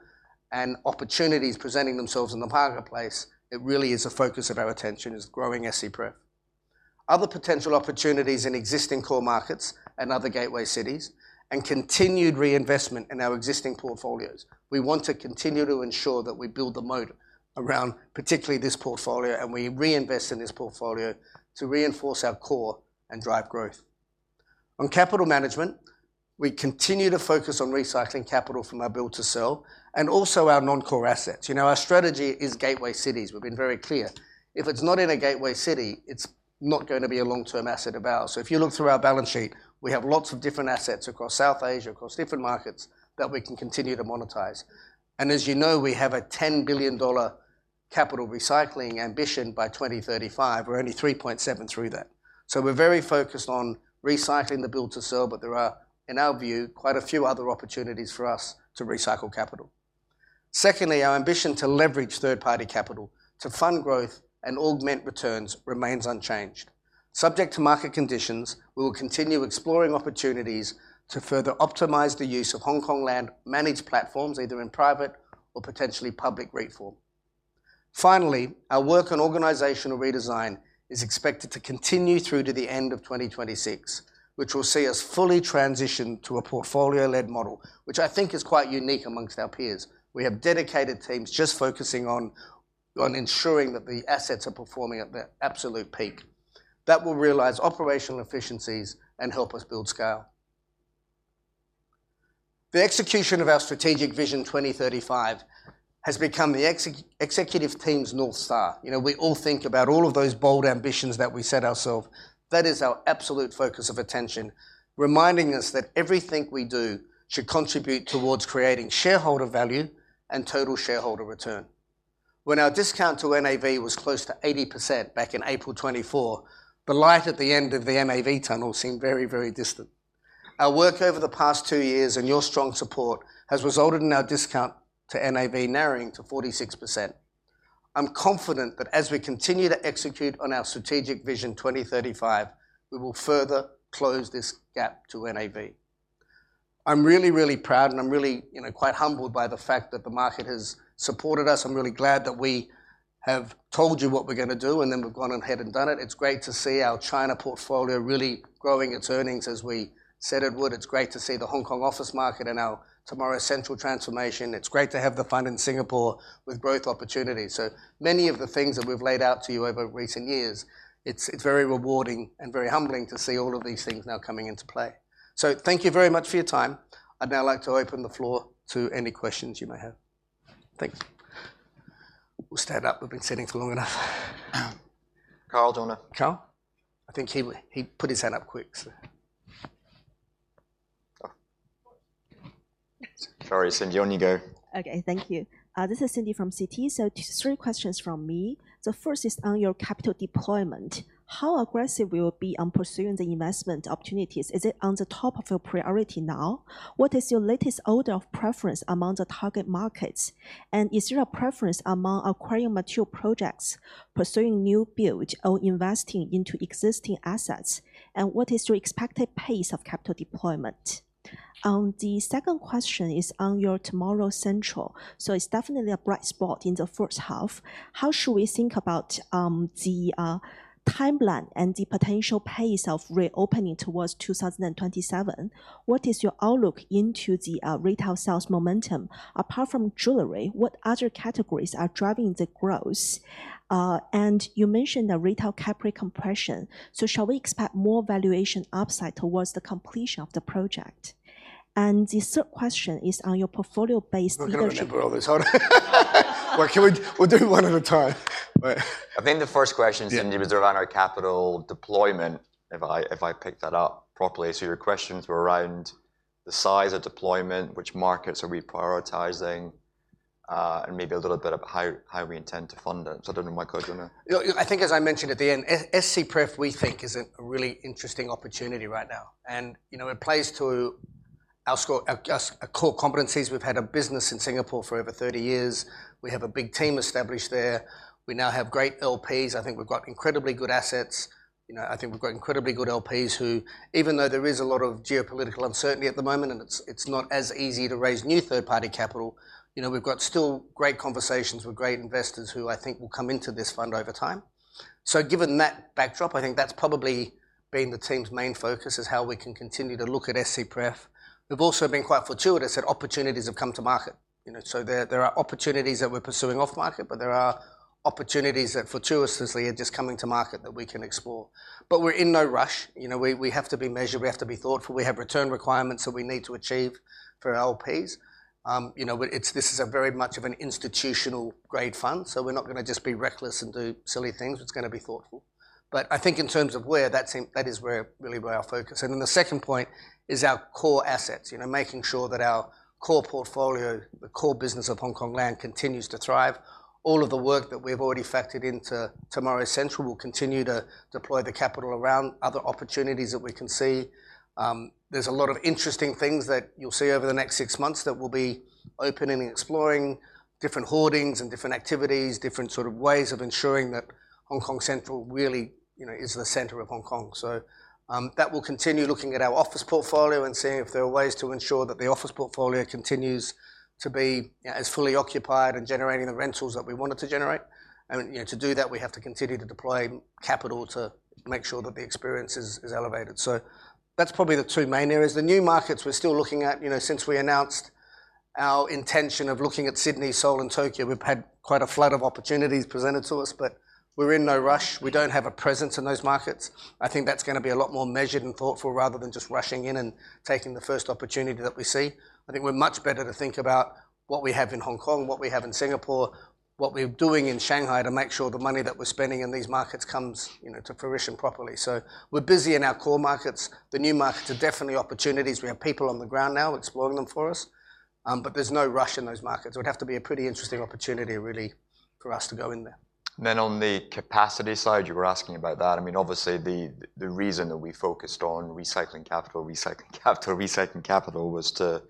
and opportunities presenting themselves in the marketplace, it really is a focus of our attention is growing SCPREF. Other potential opportunities in existing core markets and other gateway cities and continued reinvestment in our existing portfolios. We want to continue to ensure that we build the moat around particularly this portfolio, and we reinvest in this portfolio to reinforce our core and drive growth. On capital management, we continue to focus on recycling capital from our build to sell and also our non-core assets. Our strategy is gateway cities. We've been very clear. If it's not in a gateway city, it's not going to be a long-term asset of ours. If you look through our balance sheet, we have lots of different assets across South Asia, across different markets that we can continue to monetize. As you know, we have a $10 billion capital recycling ambition by 2035. We're only $3.7 billion through that. We're very focused on recycling the build to sell, but there are, in our view, quite a few other opportunities for us to recycle capital. Secondly, our ambition to leverage third-party capital to fund growth and augment returns remains unchanged. Subject to market conditions, we will continue exploring opportunities to further optimize the use of Hongkong Land managed platforms, either in private or potentially public REIT form. Finally, our work on organizational redesign is expected to continue through to the end of 2026, which will see us fully transition to a portfolio-led model, which I think is quite unique amongst our peers. We have dedicated teams just focusing on ensuring that the assets are performing at their absolute peak. That will realize operational efficiencies and help us build scale. The execution of our Strategic Vision 2035 has become the executive team's North Star. We all think about all of those bold ambitions that we set ourselves. That is our absolute focus of attention, reminding us that everything we do should contribute towards creating shareholder value and total shareholder return. When our discount to NAV was close to 80% back in April 2024, the light at the end of the NAV tunnel seemed very distant. Our work over the past two years and your strong support has resulted in our discount to NAV narrowing to 46%. I'm confident that as we continue to execute on our Strategic Vision 2035, we will further close this gap to NAV. I'm really proud, and I'm really quite humbled by the fact that the market has supported us. I'm really glad that we have told you what we're going to do, and then we've gone ahead and done it. It's great to see our China portfolio really growing its earnings as we said it would. It's great to see the Hong Kong office market and our Tomorrow's CENTRAL transformation. It's great to have the fund in Singapore with growth opportunities. Many of the things that we've laid out to you over recent years, it's very rewarding and very humbling to see all of these things now coming into play. Thank you very much for your time. I'd now like to open the floor to any questions you may have. Thanks. We'll stand up. We've been sitting for long enough. Karl, do you want to- Karl? I think he put his hand up quick, so. Sorry, Cindy. On you go. Okay. Thank you. This is Cindy from Citi. Three questions from me. The first is on your capital deployment. How aggressive we will be on pursuing the investment opportunities? Is it on the top of your priority now? What is your latest order of preference among the target markets? Is there a preference among acquiring mature projects, pursuing new build, or investing into existing assets? What is your expected pace of capital deployment? The second question is on your Tomorrow's CENTRAL. It's definitely a bright spot in the first half. How should we think about the timeline and the potential pace of reopening towards 2027? What is your outlook into the retail sales momentum? Apart from jewelry, what other categories are driving the growth? You mentioned the retail cap rate compression. Shall we expect more valuation upside towards the completion of the project? The third question is on your portfolio-based leadership- I'm not going to answer all of this. We'll do one at a time. Right. I think the first question, Cindy- Yeah. Was around our capital deployment, if I picked that up properly. Your questions were around the size of deployment, which markets are we prioritizing, and maybe a little bit of how we intend to fund it. I don't know, Michael, do you want to- I think as I mentioned at the end, SCPREF, we think is a really interesting opportunity right now. It plays to our core competencies. We've had a business in Singapore for over 30 years. We have a big team established there. We now have great LPs. I think we've got incredibly good assets. I think we've got incredibly good LPs who, even though there is a lot of geopolitical uncertainty at the moment, and it's not as easy to raise new third-party capital, we've got still great conversations with great investors who I think will come into this fund over time. Given that backdrop, I think that's probably Being the team's main focus is how we can continue to look at SCPREF. We've also been quite fortuitous that opportunities have come to market. There are opportunities that we're pursuing off-market, but there are opportunities that fortuitously are just coming to market that we can explore. We're in no rush. We have to be measured, we have to be thoughtful. We have return requirements that we need to achieve for our LPs. This is a very much of an institutional grade fund, so we're not going to just be reckless and do silly things. It's going to be thoughtful. I think in terms of where, that is really where our focus. Then the second point is our core assets. Making sure that our core portfolio, the core business of Hongkong Land, continues to thrive. All of the work that we've already factored into Tomorrow's CENTRAL will continue to deploy the capital around other opportunities that we can see. There's a lot of interesting things that you'll see over the next six months that we'll be opening and exploring, different hoardings and different activities, different sort of ways of ensuring that Hong Kong Central really is the center of Hong Kong. That will continue looking at our office portfolio and seeing if there are ways to ensure that the office portfolio continues to be as fully occupied and generating the rentals that we want it to generate. To do that, we have to continue to deploy capital to make sure that the experience is elevated. That's probably the two main areas. The new markets we're still looking at since we announced our intention of looking at Sydney, Seoul, and Tokyo, we've had quite a flood of opportunities presented to us, but we're in no rush. We don't have a presence in those markets. I think that's going to be a lot more measured and thoughtful rather than just rushing in and taking the first opportunity that we see. I think we're much better to think about what we have in Hong Kong, what we have in Singapore, what we're doing in Shanghai to make sure the money that we're spending in these markets comes to fruition properly. We're busy in our core markets. The new markets are definitely opportunities. We have people on the ground now exploring them for us. There's no rush in those markets. It would have to be a pretty interesting opportunity, really, for us to go in there. On the capacity side, you were asking about that. Obviously the reason that we focused on recycling capital was to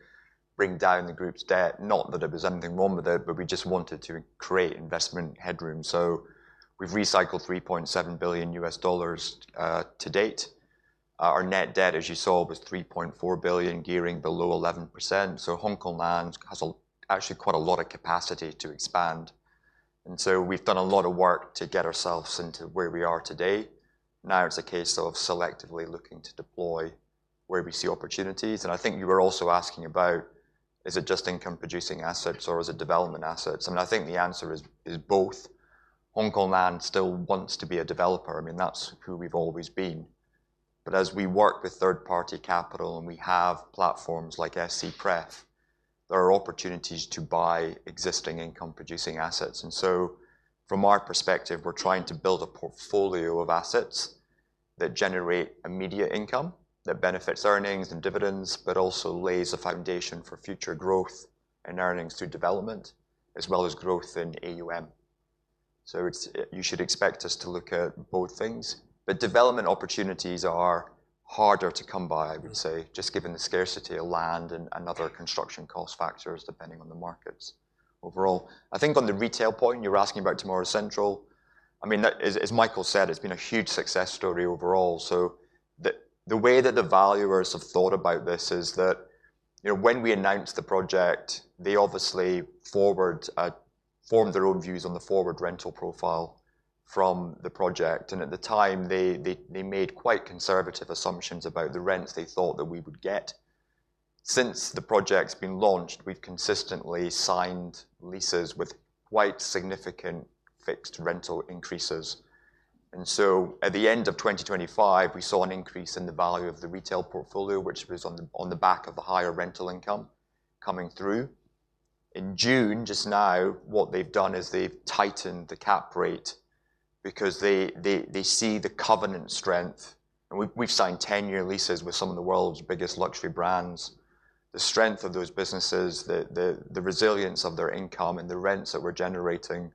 bring down the group's debt. Not that there was anything wrong with it, but we just wanted to create investment headroom. We've recycled $3.7 billion to date. Our net debt, as you saw, was $3.4 billion, gearing below 11%. Hongkong Land has actually quite a lot of capacity to expand. We've done a lot of work to get ourselves into where we are today. Now it's a case of selectively looking to deploy where we see opportunities. I think you were also asking about is it just income-producing assets or is it development assets? I think the answer is both. Hongkong Land still wants to be a developer. That's who we've always been. As we work with third-party capital and we have platforms like SCPREF, there are opportunities to buy existing income-producing assets. From our perspective, we're trying to build a portfolio of assets that generate immediate income, that benefits earnings and dividends, but also lays the foundation for future growth and earnings through development as well as growth in AUM. You should expect us to look at both things. Development opportunities are harder to come by, I would say, just given the scarcity of land and other construction cost factors depending on the markets overall. I think on the retail point, you were asking about Tomorrow's CENTRAL. As Michael said, it's been a huge success story overall. The way that the valuers have thought about this is that when we announced the project, they obviously formed their own views on the forward rental profile from the project, and at the time they made quite conservative assumptions about the rents they thought that we would get. Since the project's been launched, we've consistently signed leases with quite significant fixed rental increases. At the end of 2025, we saw an increase in the value of the retail portfolio, which was on the back of the higher rental income coming through. In June, just now, what they've done is they've tightened the cap rate because they see the covenant strength. We've signed 10-year leases with some of the world's biggest luxury brands. The strength of those businesses, the resilience of their income and the rents that we're generating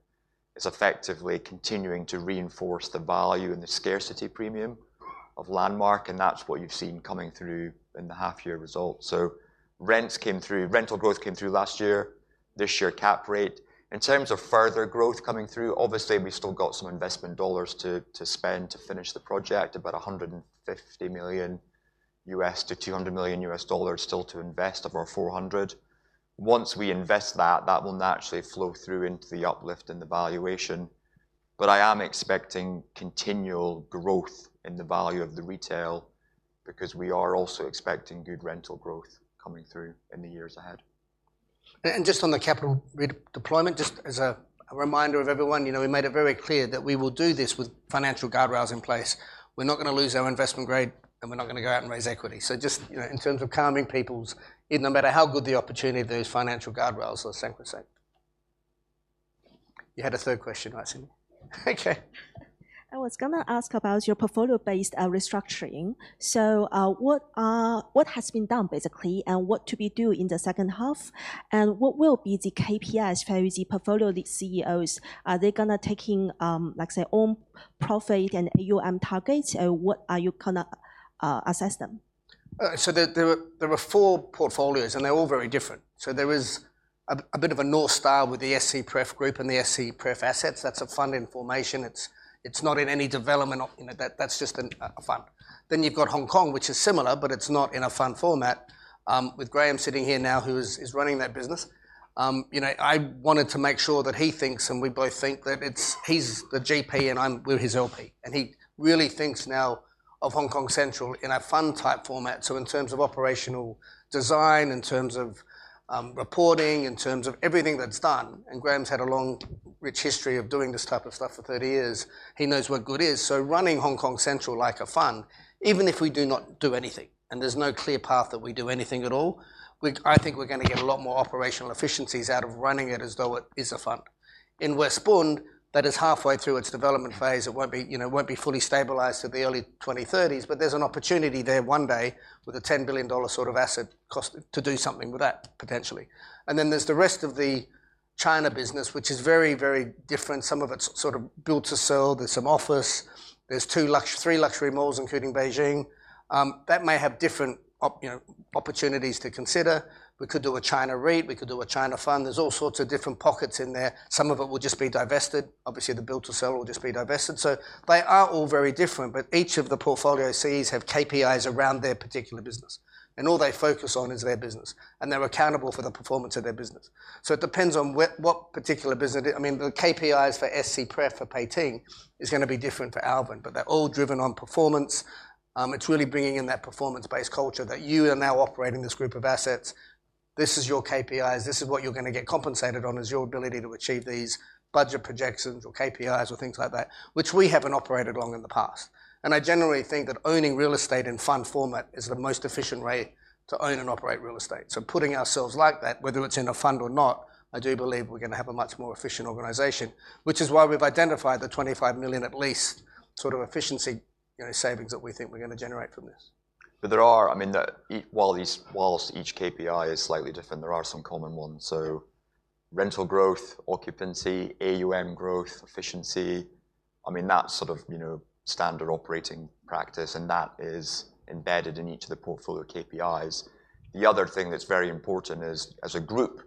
is effectively continuing to reinforce the value and the scarcity premium of LANDMARK, and that's what you've seen coming through in the half-year results. Rents came through, rental growth came through last year, this year cap rate. In terms of further growth coming through, obviously we've still got some investment dollars to spend to finish the project. About $150 million-$200 million still to invest of our $400 million. Once we invest that will naturally flow through into the uplift in the valuation. I am expecting continual growth in the value of the retail because we are also expecting good rental growth coming through in the years ahead. Just on the capital deployment, just as a reminder of everyone, we made it very clear that we will do this with financial guardrails in place. We're not going to lose our investment grade, and we're not going to go out and raise equity. Just in terms of calming people, no matter how good the opportunity, those financial guardrails are sacrosanct. You had a third question, I see. Okay. I was going to ask about your portfolio-based restructuring. What has been done basically, and what to be due in the second half? What will be the KPIs for the portfolio CEOs? Are they going to take in, let's say, own profit and AUM targets? What are you going to assess them? There are four portfolios and they're all very different. There is a bit of a North Star with the SCPREF group and the SCPREF assets. That's a fund in formation. It's not in any development. That's just a fund. Then you've got Hong Kong which is similar, but it's not in a fund format. With Graeme sitting here now who is running that business I wanted to make sure that he thinks and we both think that he's the GP and we're his LP. He really thinks now of Hong Kong Central in a fund-type format. In terms of operational design, in terms of reporting, in terms of everything that's done, and Graeme has had a long, rich history of doing this type of stuff for 30 years. He knows what good is. Running Hong Kong Central like a fund, even if we do not do anything, and there's no clear path that we do anything at all, I think we're going to get a lot more operational efficiencies out of running it as though it is a fund. In West Bund, that is halfway through its development phase. It won't be fully stabilized till the early 2030s. There's an opportunity there one day with a 10 billion dollar asset cost to do something with that potentially. There's the rest of the China business, which is very different. Some of it is built to sell. There's some office. There's three luxury malls, including Beijing, that may have different opportunities to consider. We could do a China REIT. We could do a China fund. There are all sorts of different pockets in there. Some of it will just be divested. Obviously, the built to sell will just be divested. They are all very different. Each of the portfolio Cs have KPIs around their particular business. All they focus on is their business, and they are accountable for the performance of their business. It depends on what particular business. The KPIs for SCPREF for Pei Ting is going to be different to Alvin, but they are all driven on performance. It's really bringing in that performance-based culture that you are now operating this group of assets. This is your KPIs. This is what you're going to get compensated on, is your ability to achieve these budget projections or KPIs or things like that, which we haven't operated on in the past. I generally think that owning real estate in fund format is the most efficient way to own and operate real estate. Putting ourselves like that, whether it's in a fund or not, I do believe we're going to have a much more efficient organization, which is why we've identified the $25 million at least efficiency savings that we think we're going to generate from this. There are, whilst each KPI is slightly different, there are some common ones. Rental growth, occupancy, AUM growth, efficiency, that sort of standard operating practice is embedded in each of the portfolio KPIs. The other thing that is very important is as a group,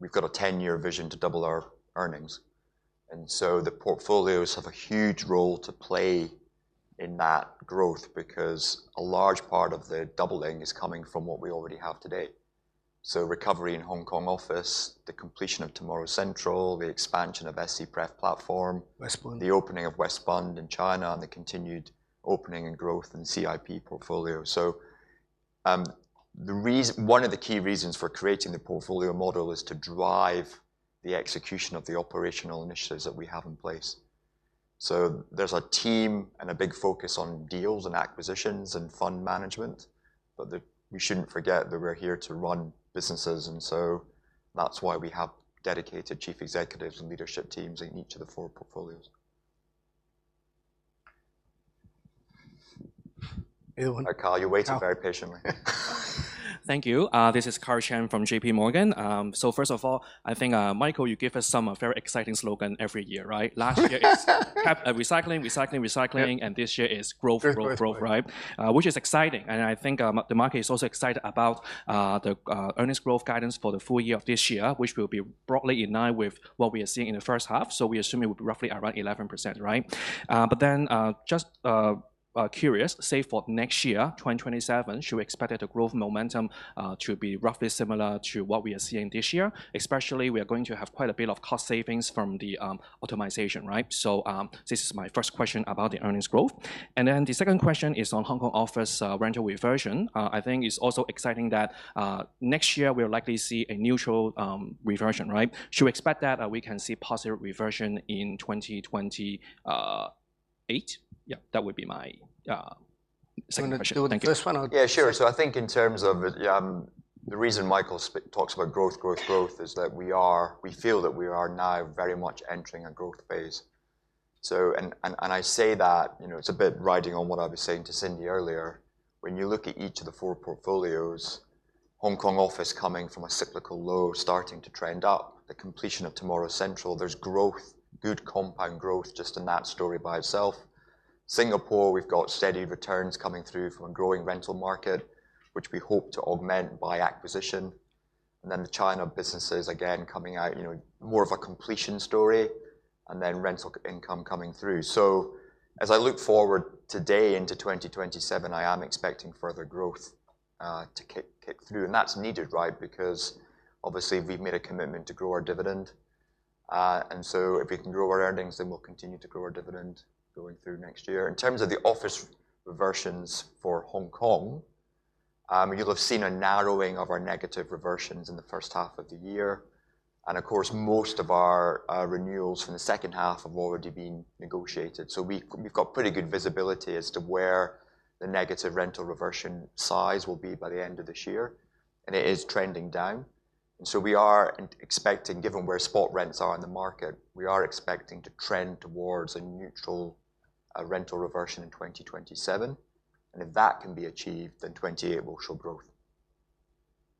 we've got a 10-year vision to double our earnings. The portfolios have a huge role to play in that growth because a large part of the doubling is coming from what we already have today. Recovery in Hong Kong office, the completion of Tomorrow's CENTRAL, the expansion of SCPREF platform. Westbund. The opening of Westbund in China, and the continued opening and growth in CIP portfolio. One of the key reasons for creating the portfolio model is to drive the execution of the operational initiatives that we have in place. There's a team and a big focus on deals and acquisitions and fund management. We shouldn't forget that we're here to run businesses, that's why we have dedicated chief executives and leadership teams in each of the four portfolios. Karl- Karl, you're waiting very patiently. Thank you. This is Karl Chan from JPMorgan. First of all, I think, Michael, you give us some very exciting slogan every year, right? Last year is recycling. Yep. This year is growth. Growth. Which is exciting. I think the market is also excited about the earnings growth guidance for the full year of this year, which will be broadly in line with what we are seeing in the first half. We assume it will be roughly around 11%, right? Just curious, say for next year, 2027, should we expect the growth momentum to be roughly similar to what we are seeing this year? Especially, we are going to have quite a bit of cost savings from the optimization, right? This is my first question about the earnings growth. The second question is on Hong Kong office rental reversion. I think it's also exciting that next year we'll likely see a neutral reversion, right? Should we expect that we can see positive reversion in 2028? Yeah, that would be my second question. Thank you. You want to do the first one? Yeah, sure. I think in terms of the reason Michael talks about growth is that we feel that we are now very much entering a growth phase. I say that it's a bit riding on what I was saying to Cindy earlier. When you look at each of the four portfolios, Hong Kong office coming from a cyclical low starting to trend up, the completion of Tomorrow's CENTRAL. There's growth, good compound growth, just in that story by itself. Singapore, we've got steady returns coming through from a growing rental market, which we hope to augment by acquisition. The China businesses, again, coming out more of a completion story and then rental income coming through. As I look forward today into 2027, I am expecting further growth to kick through. That's needed, right? Because obviously we've made a commitment to grow our dividend. If we can grow our earnings, we'll continue to grow our dividend going through next year. In terms of the office reversions for Hong Kong, you'll have seen a narrowing of our negative reversions in the first half of the year. Of course, most of our renewals from the second half have already been negotiated. We've got pretty good visibility as to where the negative rental reversion size will be by the end of this year. It is trending down. We are expecting, given where spot rents are in the market, we are expecting to trend towards a neutral rental reversion in 2027. If that can be achieved, 2028 will show growth.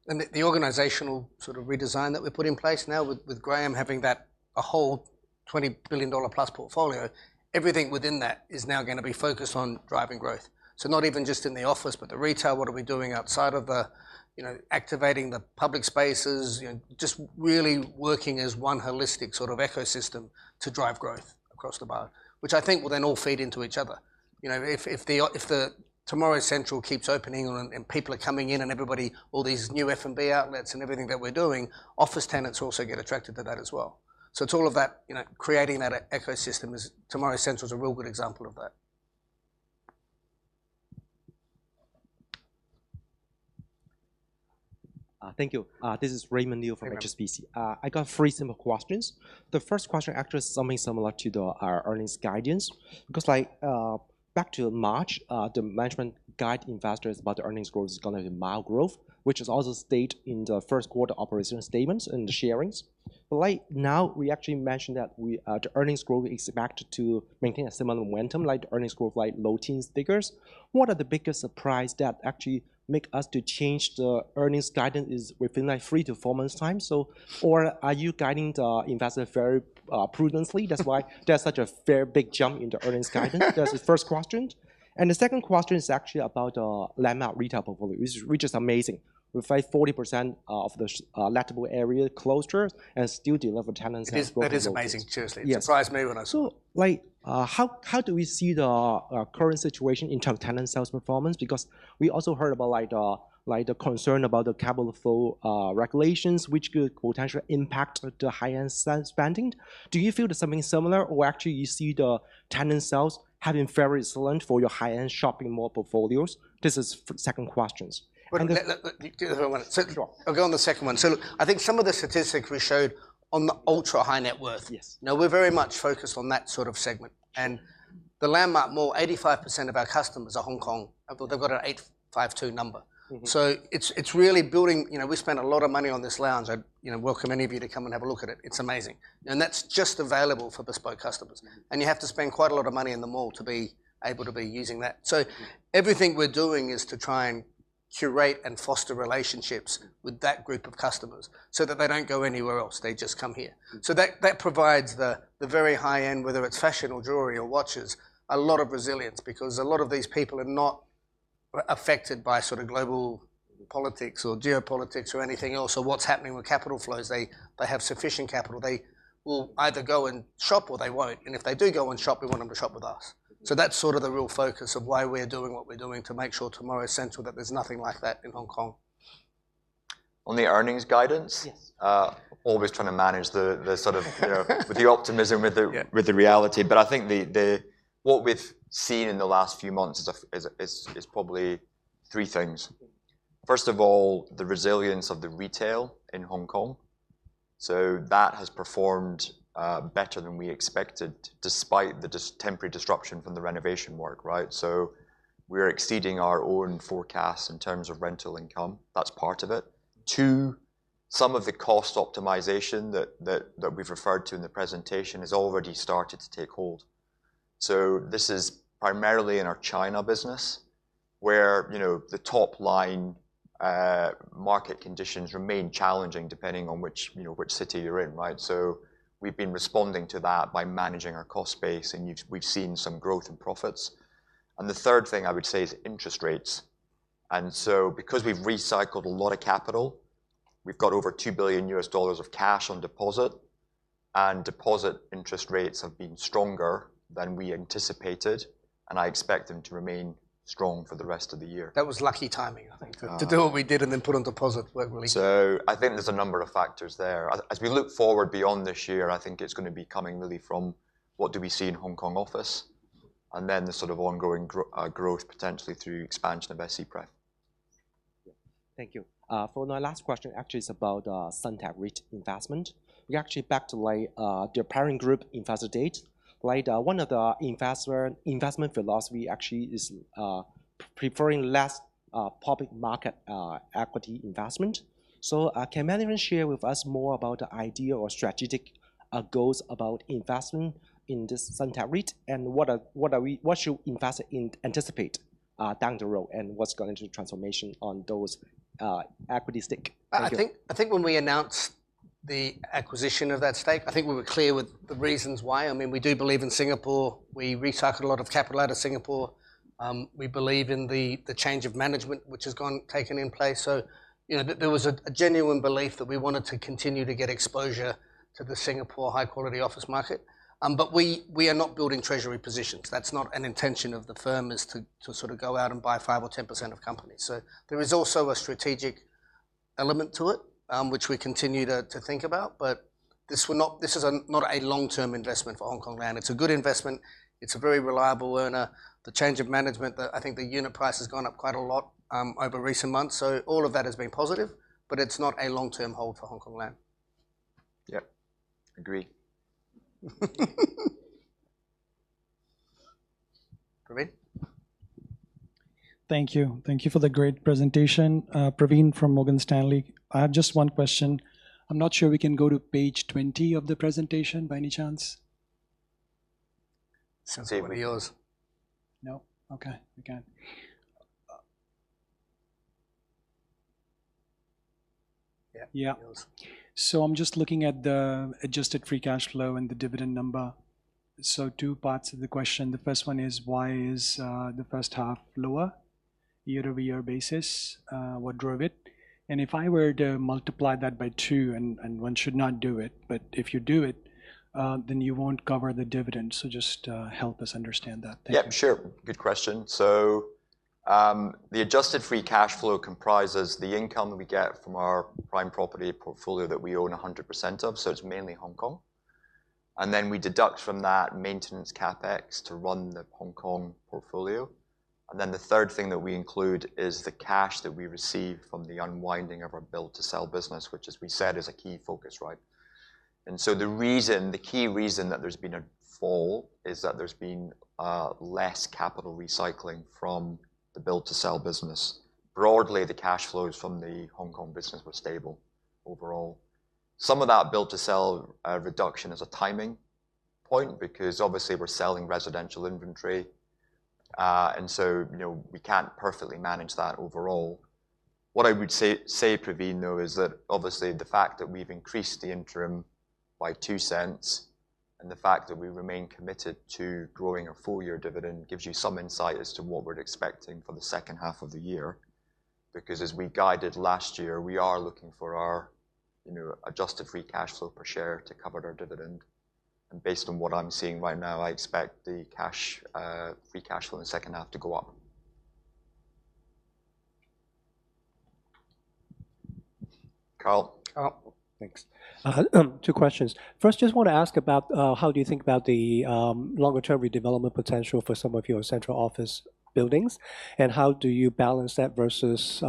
The organizational sort of redesign that we put in place now with Graeme having that whole $20 billion+ portfolio, everything within that is now going to be focused on driving growth. Not even just in the office, but the retail, what are we doing outside of activating the public spaces, just really working as one holistic sort of ecosystem to drive growth across the board, which I think will all feed into each other. If the Tomorrow's CENTRAL keeps opening and people are coming in and all these new F&B outlets and everything that we're doing, office tenants also get attracted to that as well. It's all of that, creating that ecosystem is. Tomorrow's CENTRAL is a real good example of that. Thank you. This is Raymond Liu from HSBC. Hey, Raymond. I got three simple questions. The first question actually is something similar to the earnings guidance. Back to March, the management guide investors about the earnings growth is going to be mild growth, which is also stated in the first quarter operational statements and the sharings. Right now, we actually mentioned that the earnings growth is expected to maintain a similar momentum, like earnings growth low teens figures. What are the biggest surprise that actually make us to change the earnings guidance is within three to four months time? Are you guiding the investor very prudently, that's why there's such a fair big jump in the earnings guidance? That's the first question. The second question is actually about LANDMARK retail portfolio, which is amazing. We find 40% of the lettable area closure has still delivered tenants and- That is amazing. Seriously. Yes. It surprised me when I saw- How do we see the current situation in terms of tenant sales performance? We also heard about the concern about the capital flow regulations, which could potentially impact the high-end spending. Do you feel that something similar or actually you see the tenant sales having very excellent for your high-end shopping mall portfolios? This is second questions. The- Let do the other one. Sure. I'll go on the second one. Look, I think some of the statistics we showed on the ultra high net worth. Yes. We're very much focused on that sort of segment and the LANDMARK Mall, 85% of our customers are Hong Kong. They've got an 8-5-2 number. It's really We spent a lot of money on this lounge. I welcome any of you to come and have a look at it. It's amazing. That's just available for BESPOKE customers. Yeah. You have to spend quite a lot of money in the mall to be able to be using that. Everything we're doing is to try and curate and foster relationships with that group of customers so that they don't go anywhere else. They just come here. That provides the very high end, whether it's fashion or jewelry or watches, a lot of resilience because a lot of these people are not affected by sort of global politics or geopolitics or anything else or what's happening with capital flows. They have sufficient capital. They will either go and shop or they won't. If they do go and shop, we want them to shop with us. That's sort of the real focus of why we are doing what we're doing to make sure Tomorrow's CENTRAL, that there's nothing like that in Hong Kong. On the earnings guidance. Yes. Always trying to manage the sort of with the optimism, with the. Yeah. With the reality. I think what we've seen in the last few months is probably three things. First of all, the resilience of the retail in Hong Kong. That has performed better than we expected despite the temporary disruption from the renovation work. We are exceeding our own forecasts in terms of rental income. That's part of it. Two, some of the cost optimization that we've referred to in the presentation has already started to take hold. This is primarily in our China business where the top line market conditions remain challenging depending on which city you're in. We've been responding to that by managing our cost base, and we've seen some growth in profits. The third thing I would say is interest rates. Because we've recycled a lot of capital, we've got over $2 billion of cash on deposit, and deposit interest rates have been stronger than we anticipated, and I expect them to remain strong for the rest of the year. That was lucky timing, I think. Oh. To do what we did and then put on deposit weren't we? I think there's a number of factors there. As we look forward beyond this year, I think it's going to be coming really from what do we see in Hong Kong office, and then the sort of ongoing growth potentially through expansion of SCPREF. Thank you. For my last question actually is about Suntec REIT investment. We actually back to their parent group investor date. One of the investment philosophy actually is preferring less public market equity investment. Can management share with us more about the idea or strategic goals about investment in this Suntec REIT and what should investors anticipate down the road, and what's going into transformation on those equity stake? Thank you. I think when we announced the acquisition of that stake, I think we were clear with the reasons why. I mean, we do believe in Singapore, we recycled a lot of capital out of Singapore. We believe in the change of management which has taken in place. There was a genuine belief that we wanted to continue to get exposure to the Singapore high quality office market. We are not building treasury positions. That's not an intention of the firm is to sort of go out and buy 5% or 10% of companies. There is also a strategic element to it, which we continue to think about, but this is not a long-term investment for Hongkong Land. It's a good investment. It's a very reliable earner. The change of management, I think the unit price has gone up quite a lot over recent months. All of that has been positive, but it's not a long-term hold for Hongkong Land. Yep. Agree. Praveen. Thank you. Thank you for the great presentation. Praveen from Morgan Stanley. I have just one question. I'm not sure we can go to page 20 of the presentation by any chance. See if it heals. No. Okay. We can't. Yeah. Yeah. I'm just looking at the adjusted free cash flow and the dividend number. Two parts of the question. The first one is why is the first half lower year-over-year basis? What drove it? If I were to multiply that by two, and one should not do it, but if you do it, then you won't cover the dividend. Just help us understand that. Thank you. Yeah, sure. Good question. The adjusted free cash flow comprises the income that we get from our prime property portfolio that we own 100% of, so it's mainly Hong Kong. We deduct from that maintenance CapEx to run the Hong Kong portfolio. The third thing that we include is the cash that we receive from the unwinding of our build to sell business, which as we said, is a key focus. The key reason that there's been a fall is that there's been less capital recycling from the build to sell business. Broadly, the cash flows from the Hong Kong business were stable overall. Some of that build to sell reduction is a timing point because obviously we're selling residential inventory. We can't perfectly manage that overall. What I would say, Praveen, though, is that obviously the fact that we've increased the interim by $0.02 and the fact that we remain committed to growing a full year dividend gives you some insight as to what we're expecting for the second half of the year. As we guided last year, we are looking for our adjusted free cash flow per share to cover our dividend. Based on what I'm seeing right now, I expect the free cash flow in the second half to go up. Karl? Karl. Thanks. Two questions. First, just want to ask about, how do you think about the longer-term redevelopment potential for some of your Central office buildings, and how do you balance that versus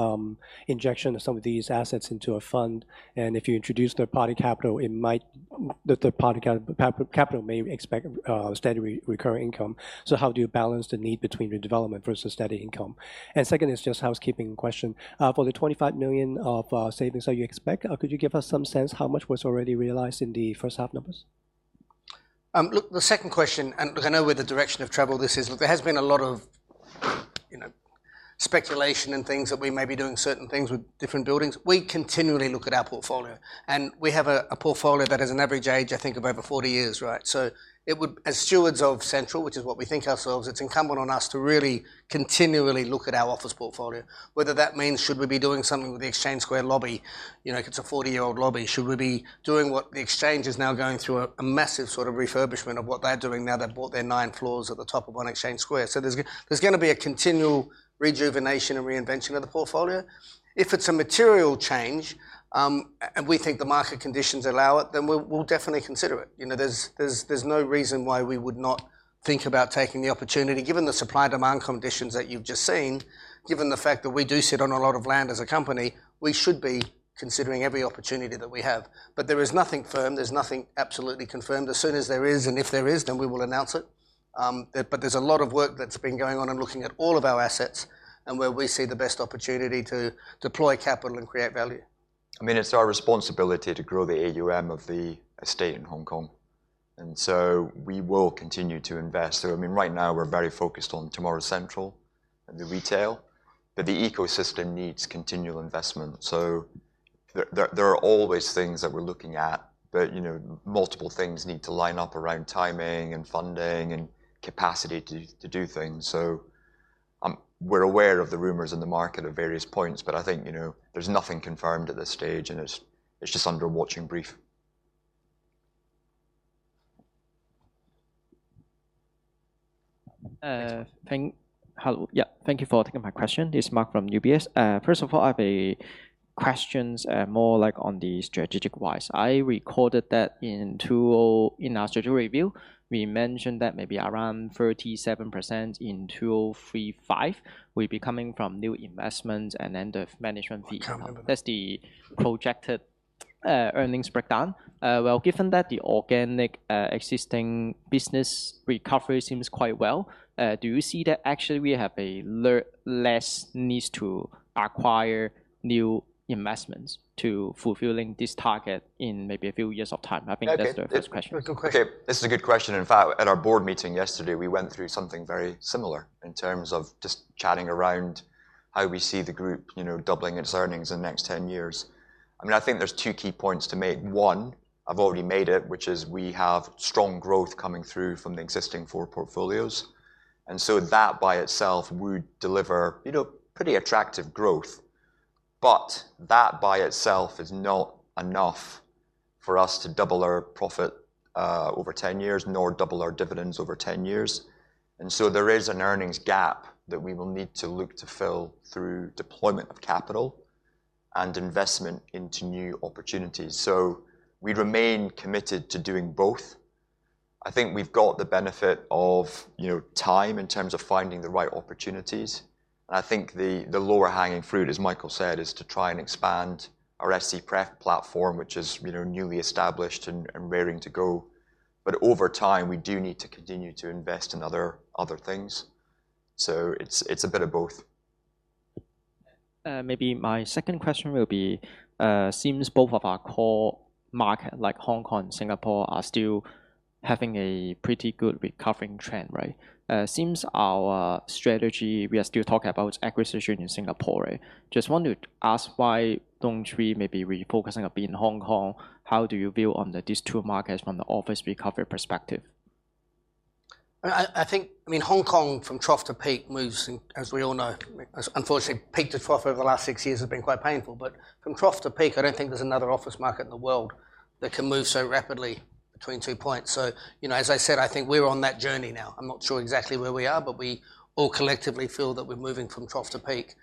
injection of some of these assets into a fund? If you introduce third-party capital, the third-party capital may expect steady recurring income. How do you balance the need between redevelopment versus steady income? Second is just housekeeping question. For the $25 million of savings that you expect, could you give us some sense how much was already realized in the first half numbers? Look, the second question, I know where the direction of travel this is. Look, there has been a lot of speculation and things that we may be doing certain things with different buildings. We continually look at our portfolio. We have a portfolio that has an average age, I think, of over 40 years. It would, as stewards of Central, which is what we think ourselves, it's incumbent on us to really continually look at our office portfolio. Whether that means should we be doing something with the Exchange Square lobby, it's a 40-year-old lobby. Should we be doing what The Exchange is now going through a massive sort of refurbishment of what they're doing now they've bought their nine floors at the top of One Exchange Square. There's going to be a continual rejuvenation and reinvention of the portfolio. If it's a material change, and we think the market conditions allow it, we'll definitely consider it. There's no reason why we would not think about taking the opportunity. Given the supply-demand conditions that you've just seen, given the fact that we do sit on a lot of land as a company, we should be considering every opportunity that we have. There is nothing firm. There's nothing absolutely confirmed. As soon as there is, and if there is, we will announce it. There's a lot of work that's been going on and looking at all of our assets and where we see the best opportunity to deploy capital and create value. It's our responsibility to grow the AUM of the estate in Hong Kong. We will continue to invest. Right now, we're very focused on Tomorrow's CENTRAL and the retail, the ecosystem needs continual investment. There are always things that we're looking at, multiple things need to line up around timing and funding and capacity to do things. We're aware of the rumors in the market at various points, I think there's nothing confirmed at this stage, and it's just under watching brief. Hello. Thank you for taking my question. This is Mark from UBS. First of all, I have questions more on the strategic-wise. I recalled that in our strategy review, we mentioned that maybe around 37% in 2035 will be coming from new investments and end of management fee. I can't remember. That's the projected earnings breakdown. Well, given that the organic existing business recovery seems quite well, do you see that actually we have a less need to acquire new investments to fulfilling this target in maybe a few years time? I think that's the first question. Okay. That's a good question. Okay. This is a good question. In fact, at our board meeting yesterday, we went through something very similar in terms of just chatting around how we see the group doubling its earnings in the next 10 years. I think there's two key points to make. One, I've already made it, which is we have strong growth coming through from the existing four portfolios. That by itself would deliver pretty attractive growth. That by itself is not enough for us to double our profit over 10 years, nor double our dividends over 10 years. There is an earnings gap that we will need to look to fill through deployment of capital and investment into new opportunities. We remain committed to doing both. I think we've got the benefit of time in terms of finding the right opportunities. I think the lower hanging fruit, as Michael said, is to try and expand our SCPREF platform, which is newly established and raring to go. Over time, we do need to continue to invest in other things. It's a bit of both. Maybe my second question will be, seems both of our core market like Hong Kong, Singapore, are still having a pretty good recovering trend, right? Seems our strategy, we are still talking about acquisition in Singapore. Just want to ask why don't we maybe refocusing a bit in Hong Kong? How do you view on these two markets from the office recovery perspective? I think Hong Kong from trough to peak moves, as we all know, unfortunately, peak to trough over the last six years has been quite painful. From trough to peak, I don't think there's another office market in the world that can move so rapidly between two points. As I said, I think we are on that journey now. I'm not sure exactly where we are, but we all collectively feel that we're moving from trough to peak,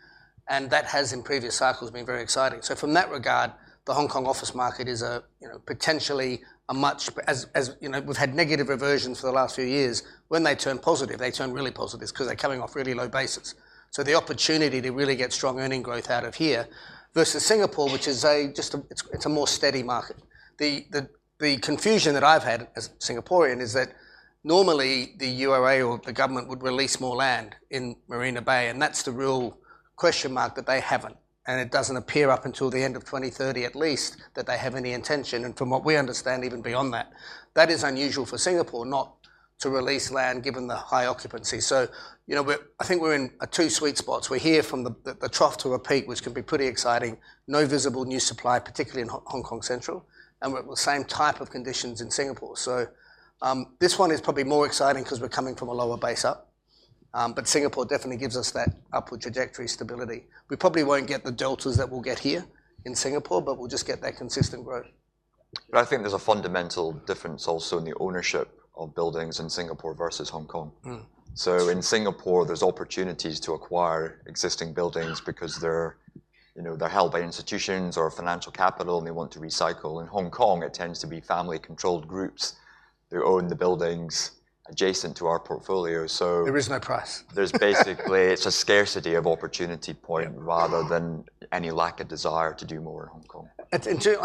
and that has, in previous cycles, been very exciting. From that regard, the Hong Kong office market is potentially. We've had negative reversions for the last few years. When they turn positive, they turn really positive because they're coming off really low bases. The opportunity to really get strong earning growth out of here versus Singapore, which is a more steady market. The confusion that I've had as a Singaporean is that normally the URA or the government would release more land in Marina Bay, and that's the real question mark that they haven't. It doesn't appear up until the end of 2030 at least that they have any intention, and from what we understand, even beyond that. That is unusual for Singapore not to release land given the high occupancy. I think we're in two sweet spots. We're here from the trough to a peak, which can be pretty exciting. No visible new supply, particularly in Hong Kong Central, and same type of conditions in Singapore. This one is probably more exciting because we're coming from a lower base up. Singapore definitely gives us that upward trajectory stability. We probably won't get the deltas that we'll get here in Singapore, but we'll just get that consistent growth. I think there's a fundamental difference also in the ownership of buildings in Singapore versus Hong Kong. In Singapore, there's opportunities to acquire existing buildings because they're held by institutions or financial capital, and they want to recycle. In Hong Kong, it tends to be family-controlled groups who own the buildings adjacent to our portfolio. There is no price. There's basically, it's a scarcity of opportunity point rather than any lack of desire to do more in Hong Kong.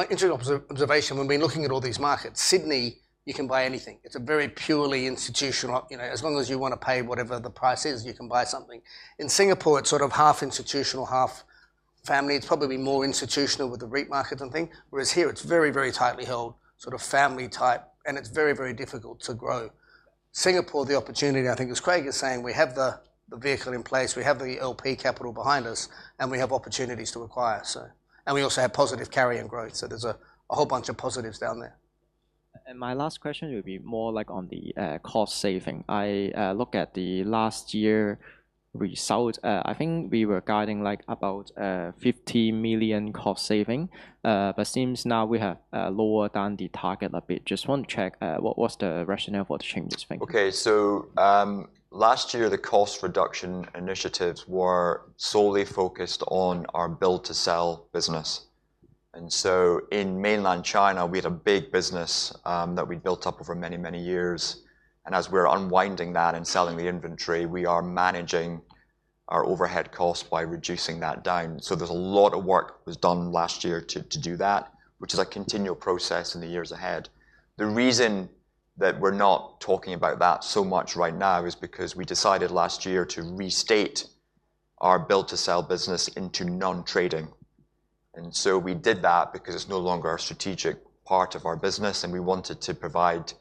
Interesting observation, when we are looking at all these markets, Sydney, you can buy anything. It's a very purely institutional, as long as you want to pay whatever the price is, you can buy something. In Singapore, it's sort of half institutional, half family. It's probably more institutional with the REIT market, I think. Whereas here it's very tightly held, sort of family type, and it's very difficult to grow. Singapore, the opportunity, I think as Craig is saying, we have the vehicle in place, we have the LP capital behind us, and we have opportunities to acquire. We also have positive carry and growth, there's a whole bunch of positives down there. My last question will be more on the cost saving. I look at the last year results. I think we were guiding about $15 million cost saving, seems now we have lower than the target a bit. Just want to check, what was the rationale for the change. Thank you. Last year the cost reduction initiatives were solely focused on our build-to-sell business. In mainland China we had a big business that we'd built up over many years. As we're unwinding that and selling the inventory, we are managing our overhead costs by reducing that down. There's a lot of work was done last year to do that, which is a continual process in the years ahead. The reason that we're not talking about that so much right now is because we decided last year to restate our build-to-sell business into non-trading. We did that because it's no longer a strategic part of our business, and we wanted to provide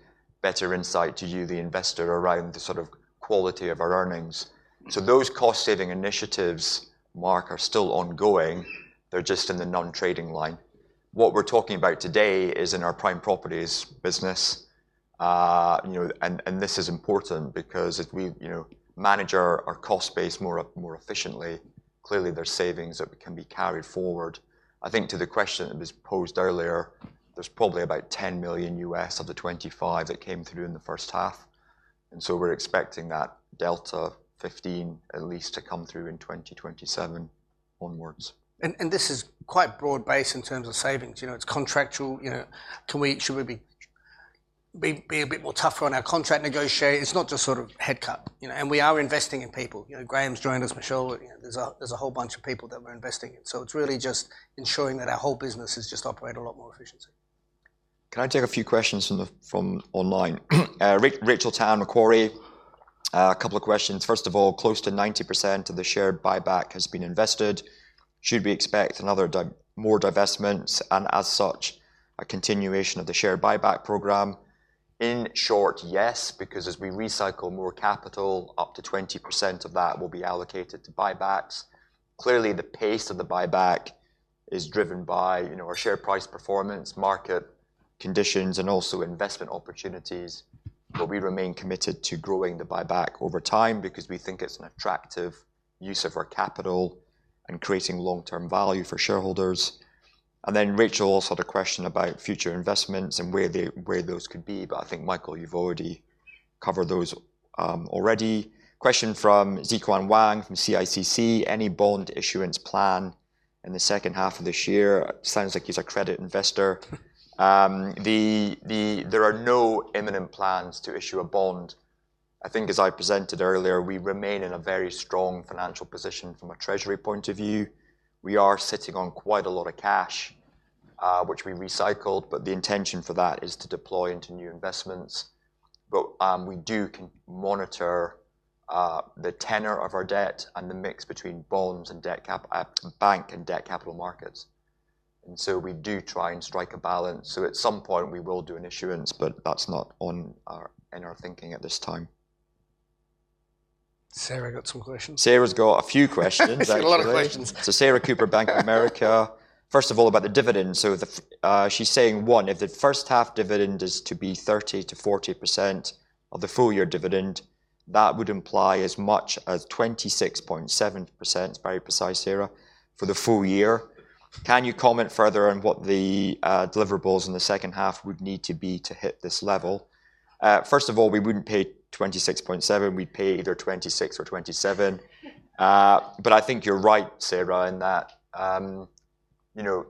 better insight to you, the investor, around the sort of quality of our earnings. Those cost-saving initiatives, Mark, are still ongoing. They're just in the non-trading line. What we're talking about today is in our prime properties business. This is important because if we manage our cost base more efficiently, clearly there's savings that can be carried forward. I think to the question that was posed earlier, there's probably about $10 million of the $25 that came through in the first half. We're expecting that delta 15 at least to come through in 2027 onwards. This is quite broad-based in terms of savings. It's contractual, to each, should we be a bit more tougher on our contract negotiation? It's not just sort of head count. We are investing in people. Graeme's joined us, Michelle. There's a whole bunch of people that we're investing in. It's really just ensuring that our whole business is just operating a lot more efficiently. Can I take a few questions from online? Rachel Tan, Macquarie, a couple of questions. First of all, close to 90% of the share buyback has been invested. Should we expect more divestments, and as such, a continuation of the share buyback program? In short, yes, because as we recycle more capital, up to 20% of that will be allocated to buybacks. Clearly the pace of the buyback is driven by our share price performance, market conditions, and also investment opportunities. We remain committed to growing the buyback over time because we think it's an attractive use of our capital and creating long-term value for shareholders. Rachel also had a question about future investments and where those could be. I think, Michael, you've already covered those already. Question from Ziqian Wang from CICC. Any bond issuance plan in the second half of this year? Sounds like he's a credit investor. There are no imminent plans to issue a bond. I think as I presented earlier, we remain in a very strong financial position from a treasury point of view. We are sitting on quite a lot of cash, which we recycled, the intention for that is to deploy into new investments. We do monitor the tenor of our debt and the mix between bonds and bank and debt capital markets. We do try and strike a balance. At some point we will do an issuance, that's not in our thinking at this time. Sarah got some questions. Sarah's got a few questions, actually. She's got a lot of questions. Sarah Cooper, Bank of America. First of all, about the dividend. She's saying, one, if the first half dividend is to be 30%-40% of the full year dividend. That would imply as much as 26.7%, it's very precise, Sarah, for the full year. Can you comment further on what the deliverables in the second half would need to be to hit this level? First of all, we wouldn't pay 26.7%, we'd pay either $0.26 or $0.27. I think you're right, Sarah, in that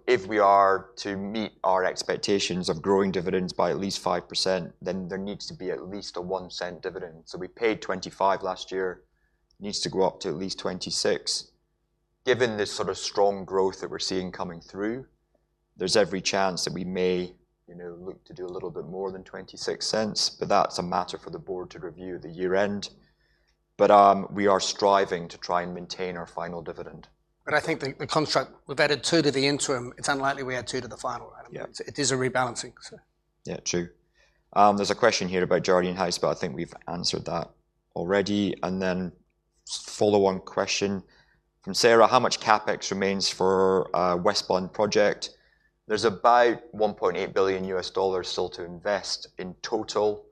if we are to meet our expectations of growing dividends by at least 5%, there needs to be at least a $0.01 dividend. We paid $0.25 last year, needs to go up to at least $0.26. Given this sort of strong growth that we're seeing coming through, there's every chance that we may look to do a little bit more than $0.26, but that's a matter for the board to review at the year-end. We are striving to try and maintain our final dividend. I think the construct, we've added $0.02 to the interim, it's unlikely we add $0.02 to the final. Yeah. It is a rebalancing. Yeah, true. There is a question here about Jardine House, but I think we've answered that already. Follow on question from Sarah, how much CapEx remains for Westbund Central project? There is about $1.8 billion still to invest in total.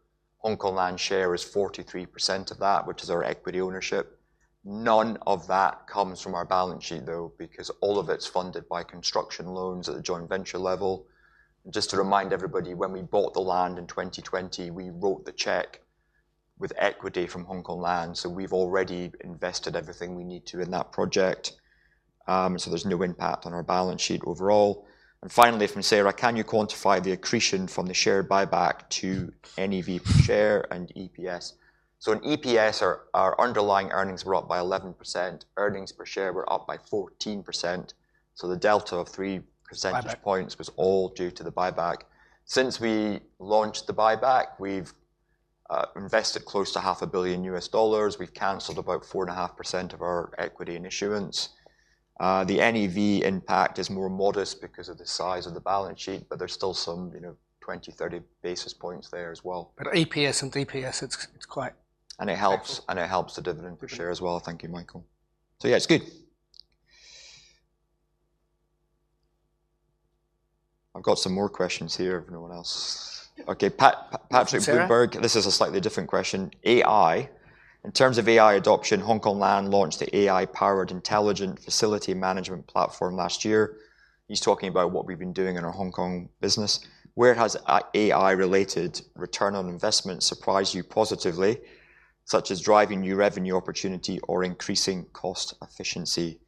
Hongkong Land share is 43% of that, which is our equity ownership. None of that comes from our balance sheet, though, because all of it is funded by construction loans at the joint venture level. Just to remind everybody, when we bought the land in 2020, we wrote the check with equity from Hongkong Land. We've already invested everything we need to in that project. There is no impact on our balance sheet overall. Finally from Sarah, can you quantify the accretion from the share buyback to NAV per share and EPS? On EPS our underlying earnings were up by 11%, earnings per share were up by 14%. The delta of 3 percentage- Buyback. Points was all due to the buyback. Since we launched the buyback, we've invested close to $500,000,000. We've canceled about 4.5% of our equity and issuance. The NAV impact is more modest because of the size of the balance sheet, but there is still some 20, 30 basis points there as well. EPS and DPS, it's quite equitable. It helps the dividend per share as well. Thank you, Michael. Yeah, it's good. I've got some more questions here if no one else. Okay, Patrick Goldberg. Sarah? This is a slightly different question. AI. In terms of AI adoption, Hongkong Land launched the AI-powered intelligent facility management platform last year. He's talking about what we've been doing in our Hong Kong business. Where has AI-related return on investment surprised you positively, such as driving new revenue opportunity or increasing cost efficiency?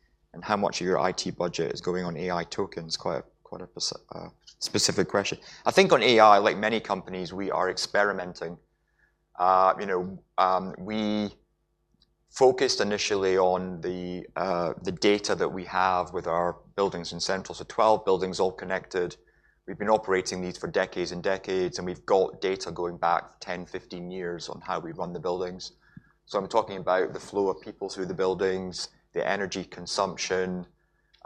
How much of your IT budget is going on AI tokens? Quite a specific question. I think on AI, like many companies, we are experimenting. We focused initially on the data that we have with our buildings in Central, 12 buildings all connected. We've been operating these for decades and decades, and we've got data going back 10, 15 years on how we run the buildings. I'm talking about the flow of people through the buildings, the energy consumption,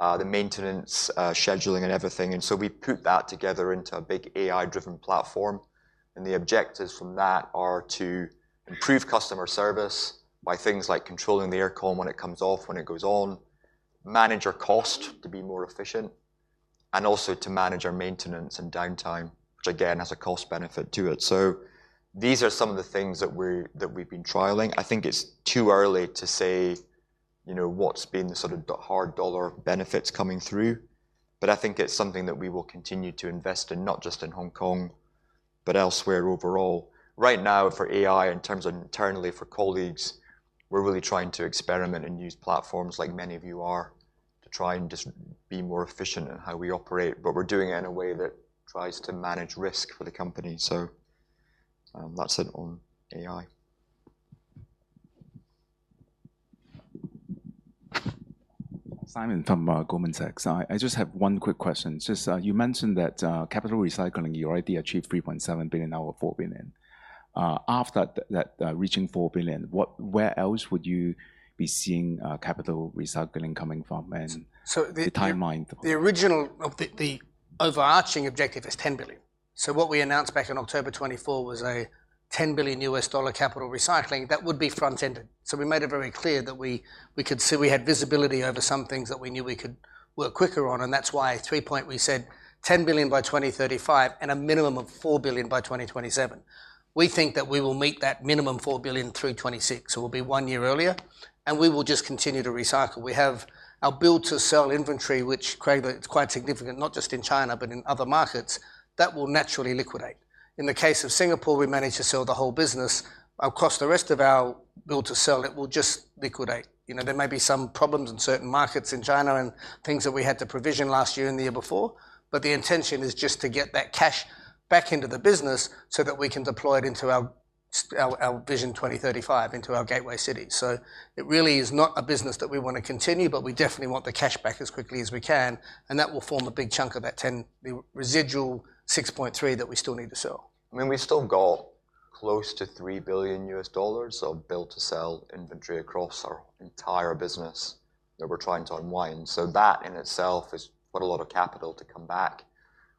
the maintenance, scheduling and everything. We put that together into a big AI-driven platform, and the objectives from that are to improve customer service by things like controlling the air con when it comes off, when it goes on, manage our cost to be more efficient, and also to manage our maintenance and downtime, which again, has a cost benefit to it. These are some of the things that we've been trialing. I think it's too early to say what's been the sort of hard dollar benefits coming through. I think it's something that we will continue to invest in, not just in Hong Kong but elsewhere overall. Right now for AI, in terms of internally for colleagues, we're really trying to experiment and use platforms like many of you are to try and just be more efficient in how we operate. We're doing it in a way that tries to manage risk for the company. That's it on AI. Simon from Goldman Sachs. I have one quick question. You mentioned that capital recycling, you already achieved $3.7 billion out of $4 billion. After reaching $4 billion, where else would you be seeing capital recycling coming from and- the. The timeline? The overarching objective is $10 billion. What we announced back in October 2024 was a $10 billion capital recycling that would be front-ended. We made it very clear that we could see we had visibility over some things that we knew we could work quicker on, and that's why at three point we said $10 billion by 2035 and a minimum of $4 billion by 2027. We think that we will meet that minimum $4 billion through 2026. We'll be one year earlier, and we will just continue to recycle. We have our build to sell inventory, which Craig, it's quite significant, not just in China but in other markets, that will naturally liquidate. In the case of Singapore, we managed to sell the whole business. Across the rest of our build to sell, it will just liquidate. There may be some problems in certain markets in China and things that we had to provision last year and the year before, the intention is just to get that cash back into the business so that we can deploy it into our Strategic Vision 2035, into our gateway cities. It really is not a business that we want to continue, but we definitely want the cash back as quickly as we can, and that will form a big chunk of that $10 billion, the residual $6.3 billion that we still need to sell. We still got close to $3 billion of build to sell inventory across our entire business that we're trying to unwind. That in itself is quite a lot of capital to come back,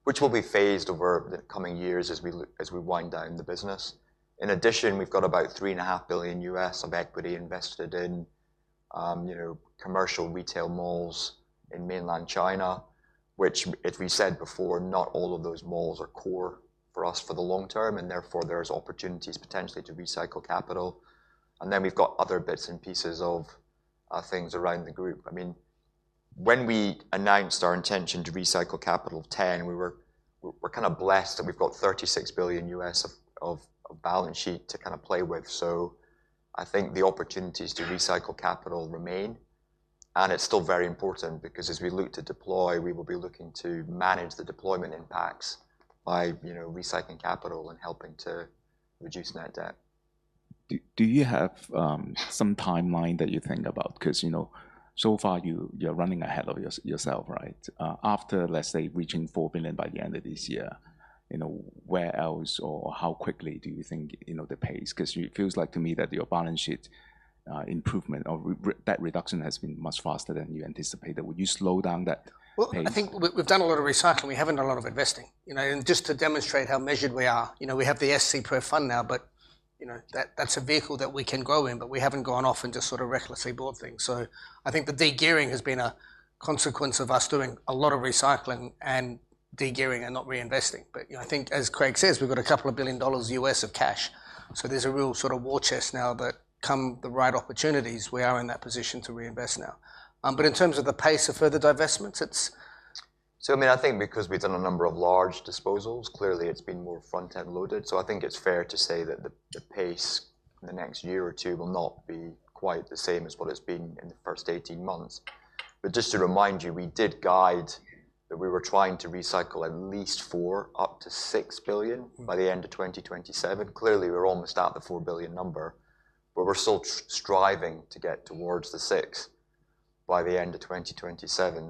which will be phased over the coming years as we wind down the business. In addition, we've got about $3.5 billion of equity invested in commercial retail malls in mainland China, which as we said before, not all of those malls are core for us for the long term, and therefore there's opportunities potentially to recycle capital. We've got other bits and pieces of things around the group. When we announced our intention to recycle capital $10 billion, we were kind of blessed that we've got $36 billion of the balance sheet to kind of play with. I think the opportunities to recycle capital remain, and it's still very important because as we look to deploy, we will be looking to manage the deployment impacts by recycling capital and helping to reduce net debt. Do you have some timeline that you think about? Because so far you're running ahead of yourself. After, let's say, reaching $4 billion by the end of this year, where else or how quickly do you think the pace? Because it feels like to me that your balance sheet improvement or debt reduction has been much faster than you anticipated. Will you slow down that pace? I think we've done a lot of recycling. We haven't done a lot of investing. Just to demonstrate how measured we are, we have the SCPREF now, but that's a vehicle that we can grow in, but we haven't gone off and just sort of recklessly bought things. I think the de-gearing has been a consequence of us doing a lot of recycling and de-gearing and not reinvesting. I think as Craig says, we've got a couple of billion U.S. dollars of cash. There's a real sort of war chest now that come the right opportunities, we are in that position to reinvest now. In terms of the pace of further divestments, it's- I think because we've done a number of large disposals, clearly it's been more front-end loaded. I think it's fair to say that the pace in the next year or two will not be quite the same as what it's been in the first 18 months. Just to remind you, we did guide that we were trying to recycle at least $4 billion up to $6 billion by the end of 2027. Clearly, we're almost at the $4 billion number, but we're still striving to get towards the $6 billion by the end of 2027.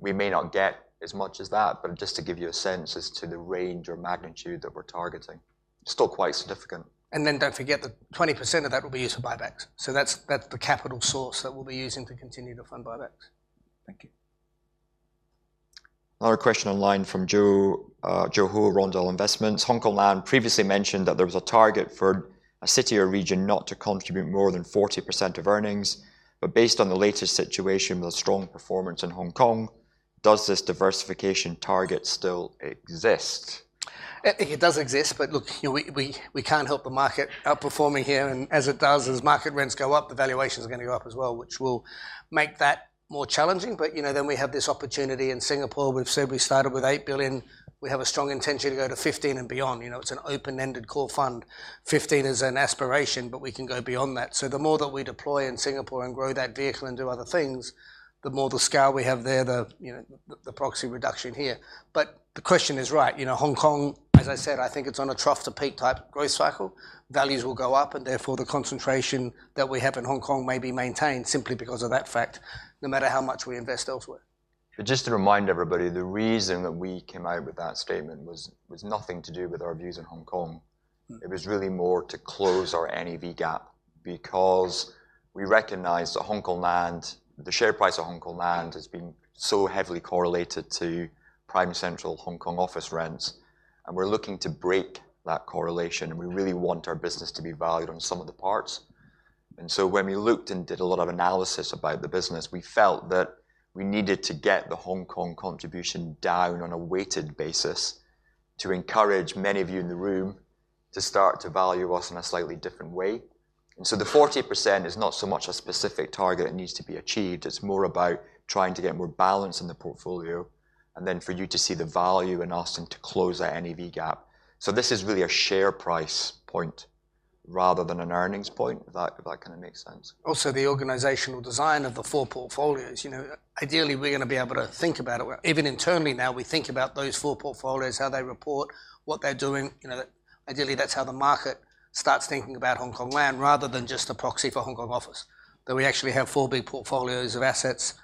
We may not get as much as that, just to give you a sense as to the range or magnitude that we're targeting. Still quite significant. Don't forget that 20% of that will be used for buybacks. That's the capital source that we'll be using to continue to fund buybacks. Thank you. Another question online from Joe Ho Rondell Investments. Hongkong Land previously mentioned that there was a target for a city or region not to contribute more than 40% of earnings. Based on the latest situation with strong performance in Hong Kong, does this diversification target still exist? I think it does exist, but look, we can't help the market outperforming here. As it does, as market rents go up, the valuations are going to go up as well, which will make that more challenging. We have this opportunity in Singapore. We've said we started with 8 billion. We have a strong intention to go to 15 billion and beyond. It's an open-ended core fund. 15 billion is an aspiration, but we can go beyond that. The more that we deploy in Singapore and grow that vehicle and do other things, the more the scale we have there, the proxy reduction here. The question is right. Hong Kong, as I said, I think it's on a trough to peak type growth cycle. Values will go up, therefore, the concentration that we have in Hong Kong may be maintained simply because of that fact, no matter how much we invest elsewhere. Just to remind everybody, the reason that we came out with that statement was nothing to do with our views in Hong Kong. It was really more to close our NAV gap because we recognized that the share price of Hongkong Land has been so heavily correlated to prime central Hong Kong office rents, and we're looking to break that correlation, and we really want our business to be valued on the sum of the parts. When we looked and did a lot of analysis about the business, we felt that we needed to get the Hong Kong contribution down on a weighted basis to encourage many of you in the room to start to value us in a slightly different way. The 40% is not so much a specific target that needs to be achieved. It's more about trying to get more balance in the portfolio and then for you to see the value in us and to close that NAV gap. This is really a share price point rather than an earnings point, if that kind of makes sense. Also, the organizational design of the four portfolios. Ideally, we're going to be able to think about it. Even internally now, we think about those four portfolios, how they report, what they're doing. Ideally, that's how the market starts thinking about Hongkong Land rather than just a proxy for Hong Kong office. That we actually have four big portfolios of assets,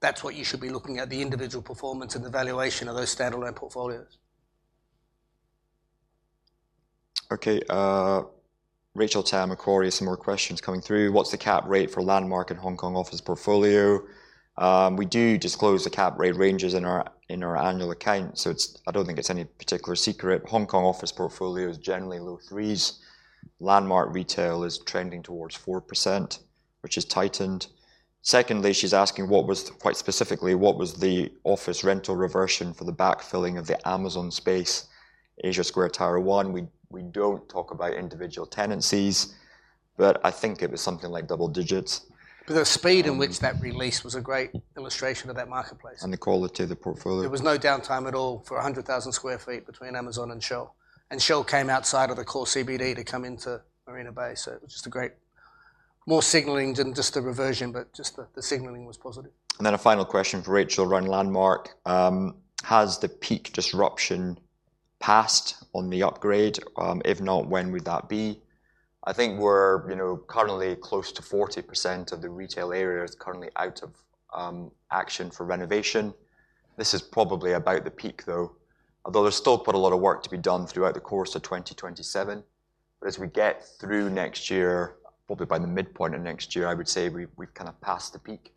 that's what you should be looking at, the individual performance and the valuation of those standalone portfolios. Okay. Rachel Tan, Macquarie, some more questions coming through. What's the cap rate for LANDMARK and Hong Kong office portfolio? We do disclose the cap rate ranges in our annual accounts. I don't think it's any particular secret. Hong Kong office portfolio is generally low 3%. LANDMARK retail is trending towards 4%, which has tightened. Secondly, she's asking quite specifically, what was the office rental reversion for the backfilling of the Amazon space Asia Square Tower 1? We don't talk about individual tenancies, but I think it was something like double digits. The speed in which that release was a great illustration of that marketplace. The quality of the portfolio. There was no downtime at all for 100,000 sq ft between Amazon and Shell. Shell came outside of the core CBD to come into Marina Bay. It was just more signaling than just a reversion, just the signaling was positive. A final question for Rachel around LANDMARK. Has the peak disruption passed on the upgrade? If not, when would that be? I think we're currently close to 40% of the retail area is currently out of action for renovation. This is probably about the peak, though. Although there's still quite a lot of work to be done throughout the course of 2027. As we get through next year, probably by the midpoint of next year, I would say we've kind of passed the peak,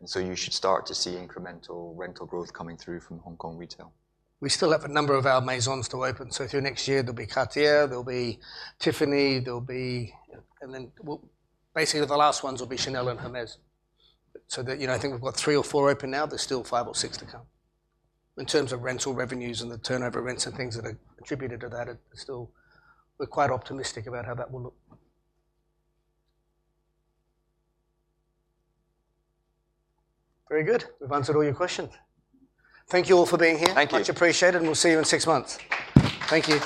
and so you should start to see incremental rental growth coming through from Hong Kong retail. We still have a number of our Maisons to open. Through next year, there'll be Cartier, there'll be Tiffany. Basically, the last ones will be Chanel and Hermès. I think we've got three or four open now. There's still five or six to come. In terms of rental revenues and the turnover rents and things that are attributed to that, we're quite optimistic about how that will look. Very good. We've answered all your questions. Thank you all for being here. Thank you. Much appreciated. We'll see you in six months. Thank you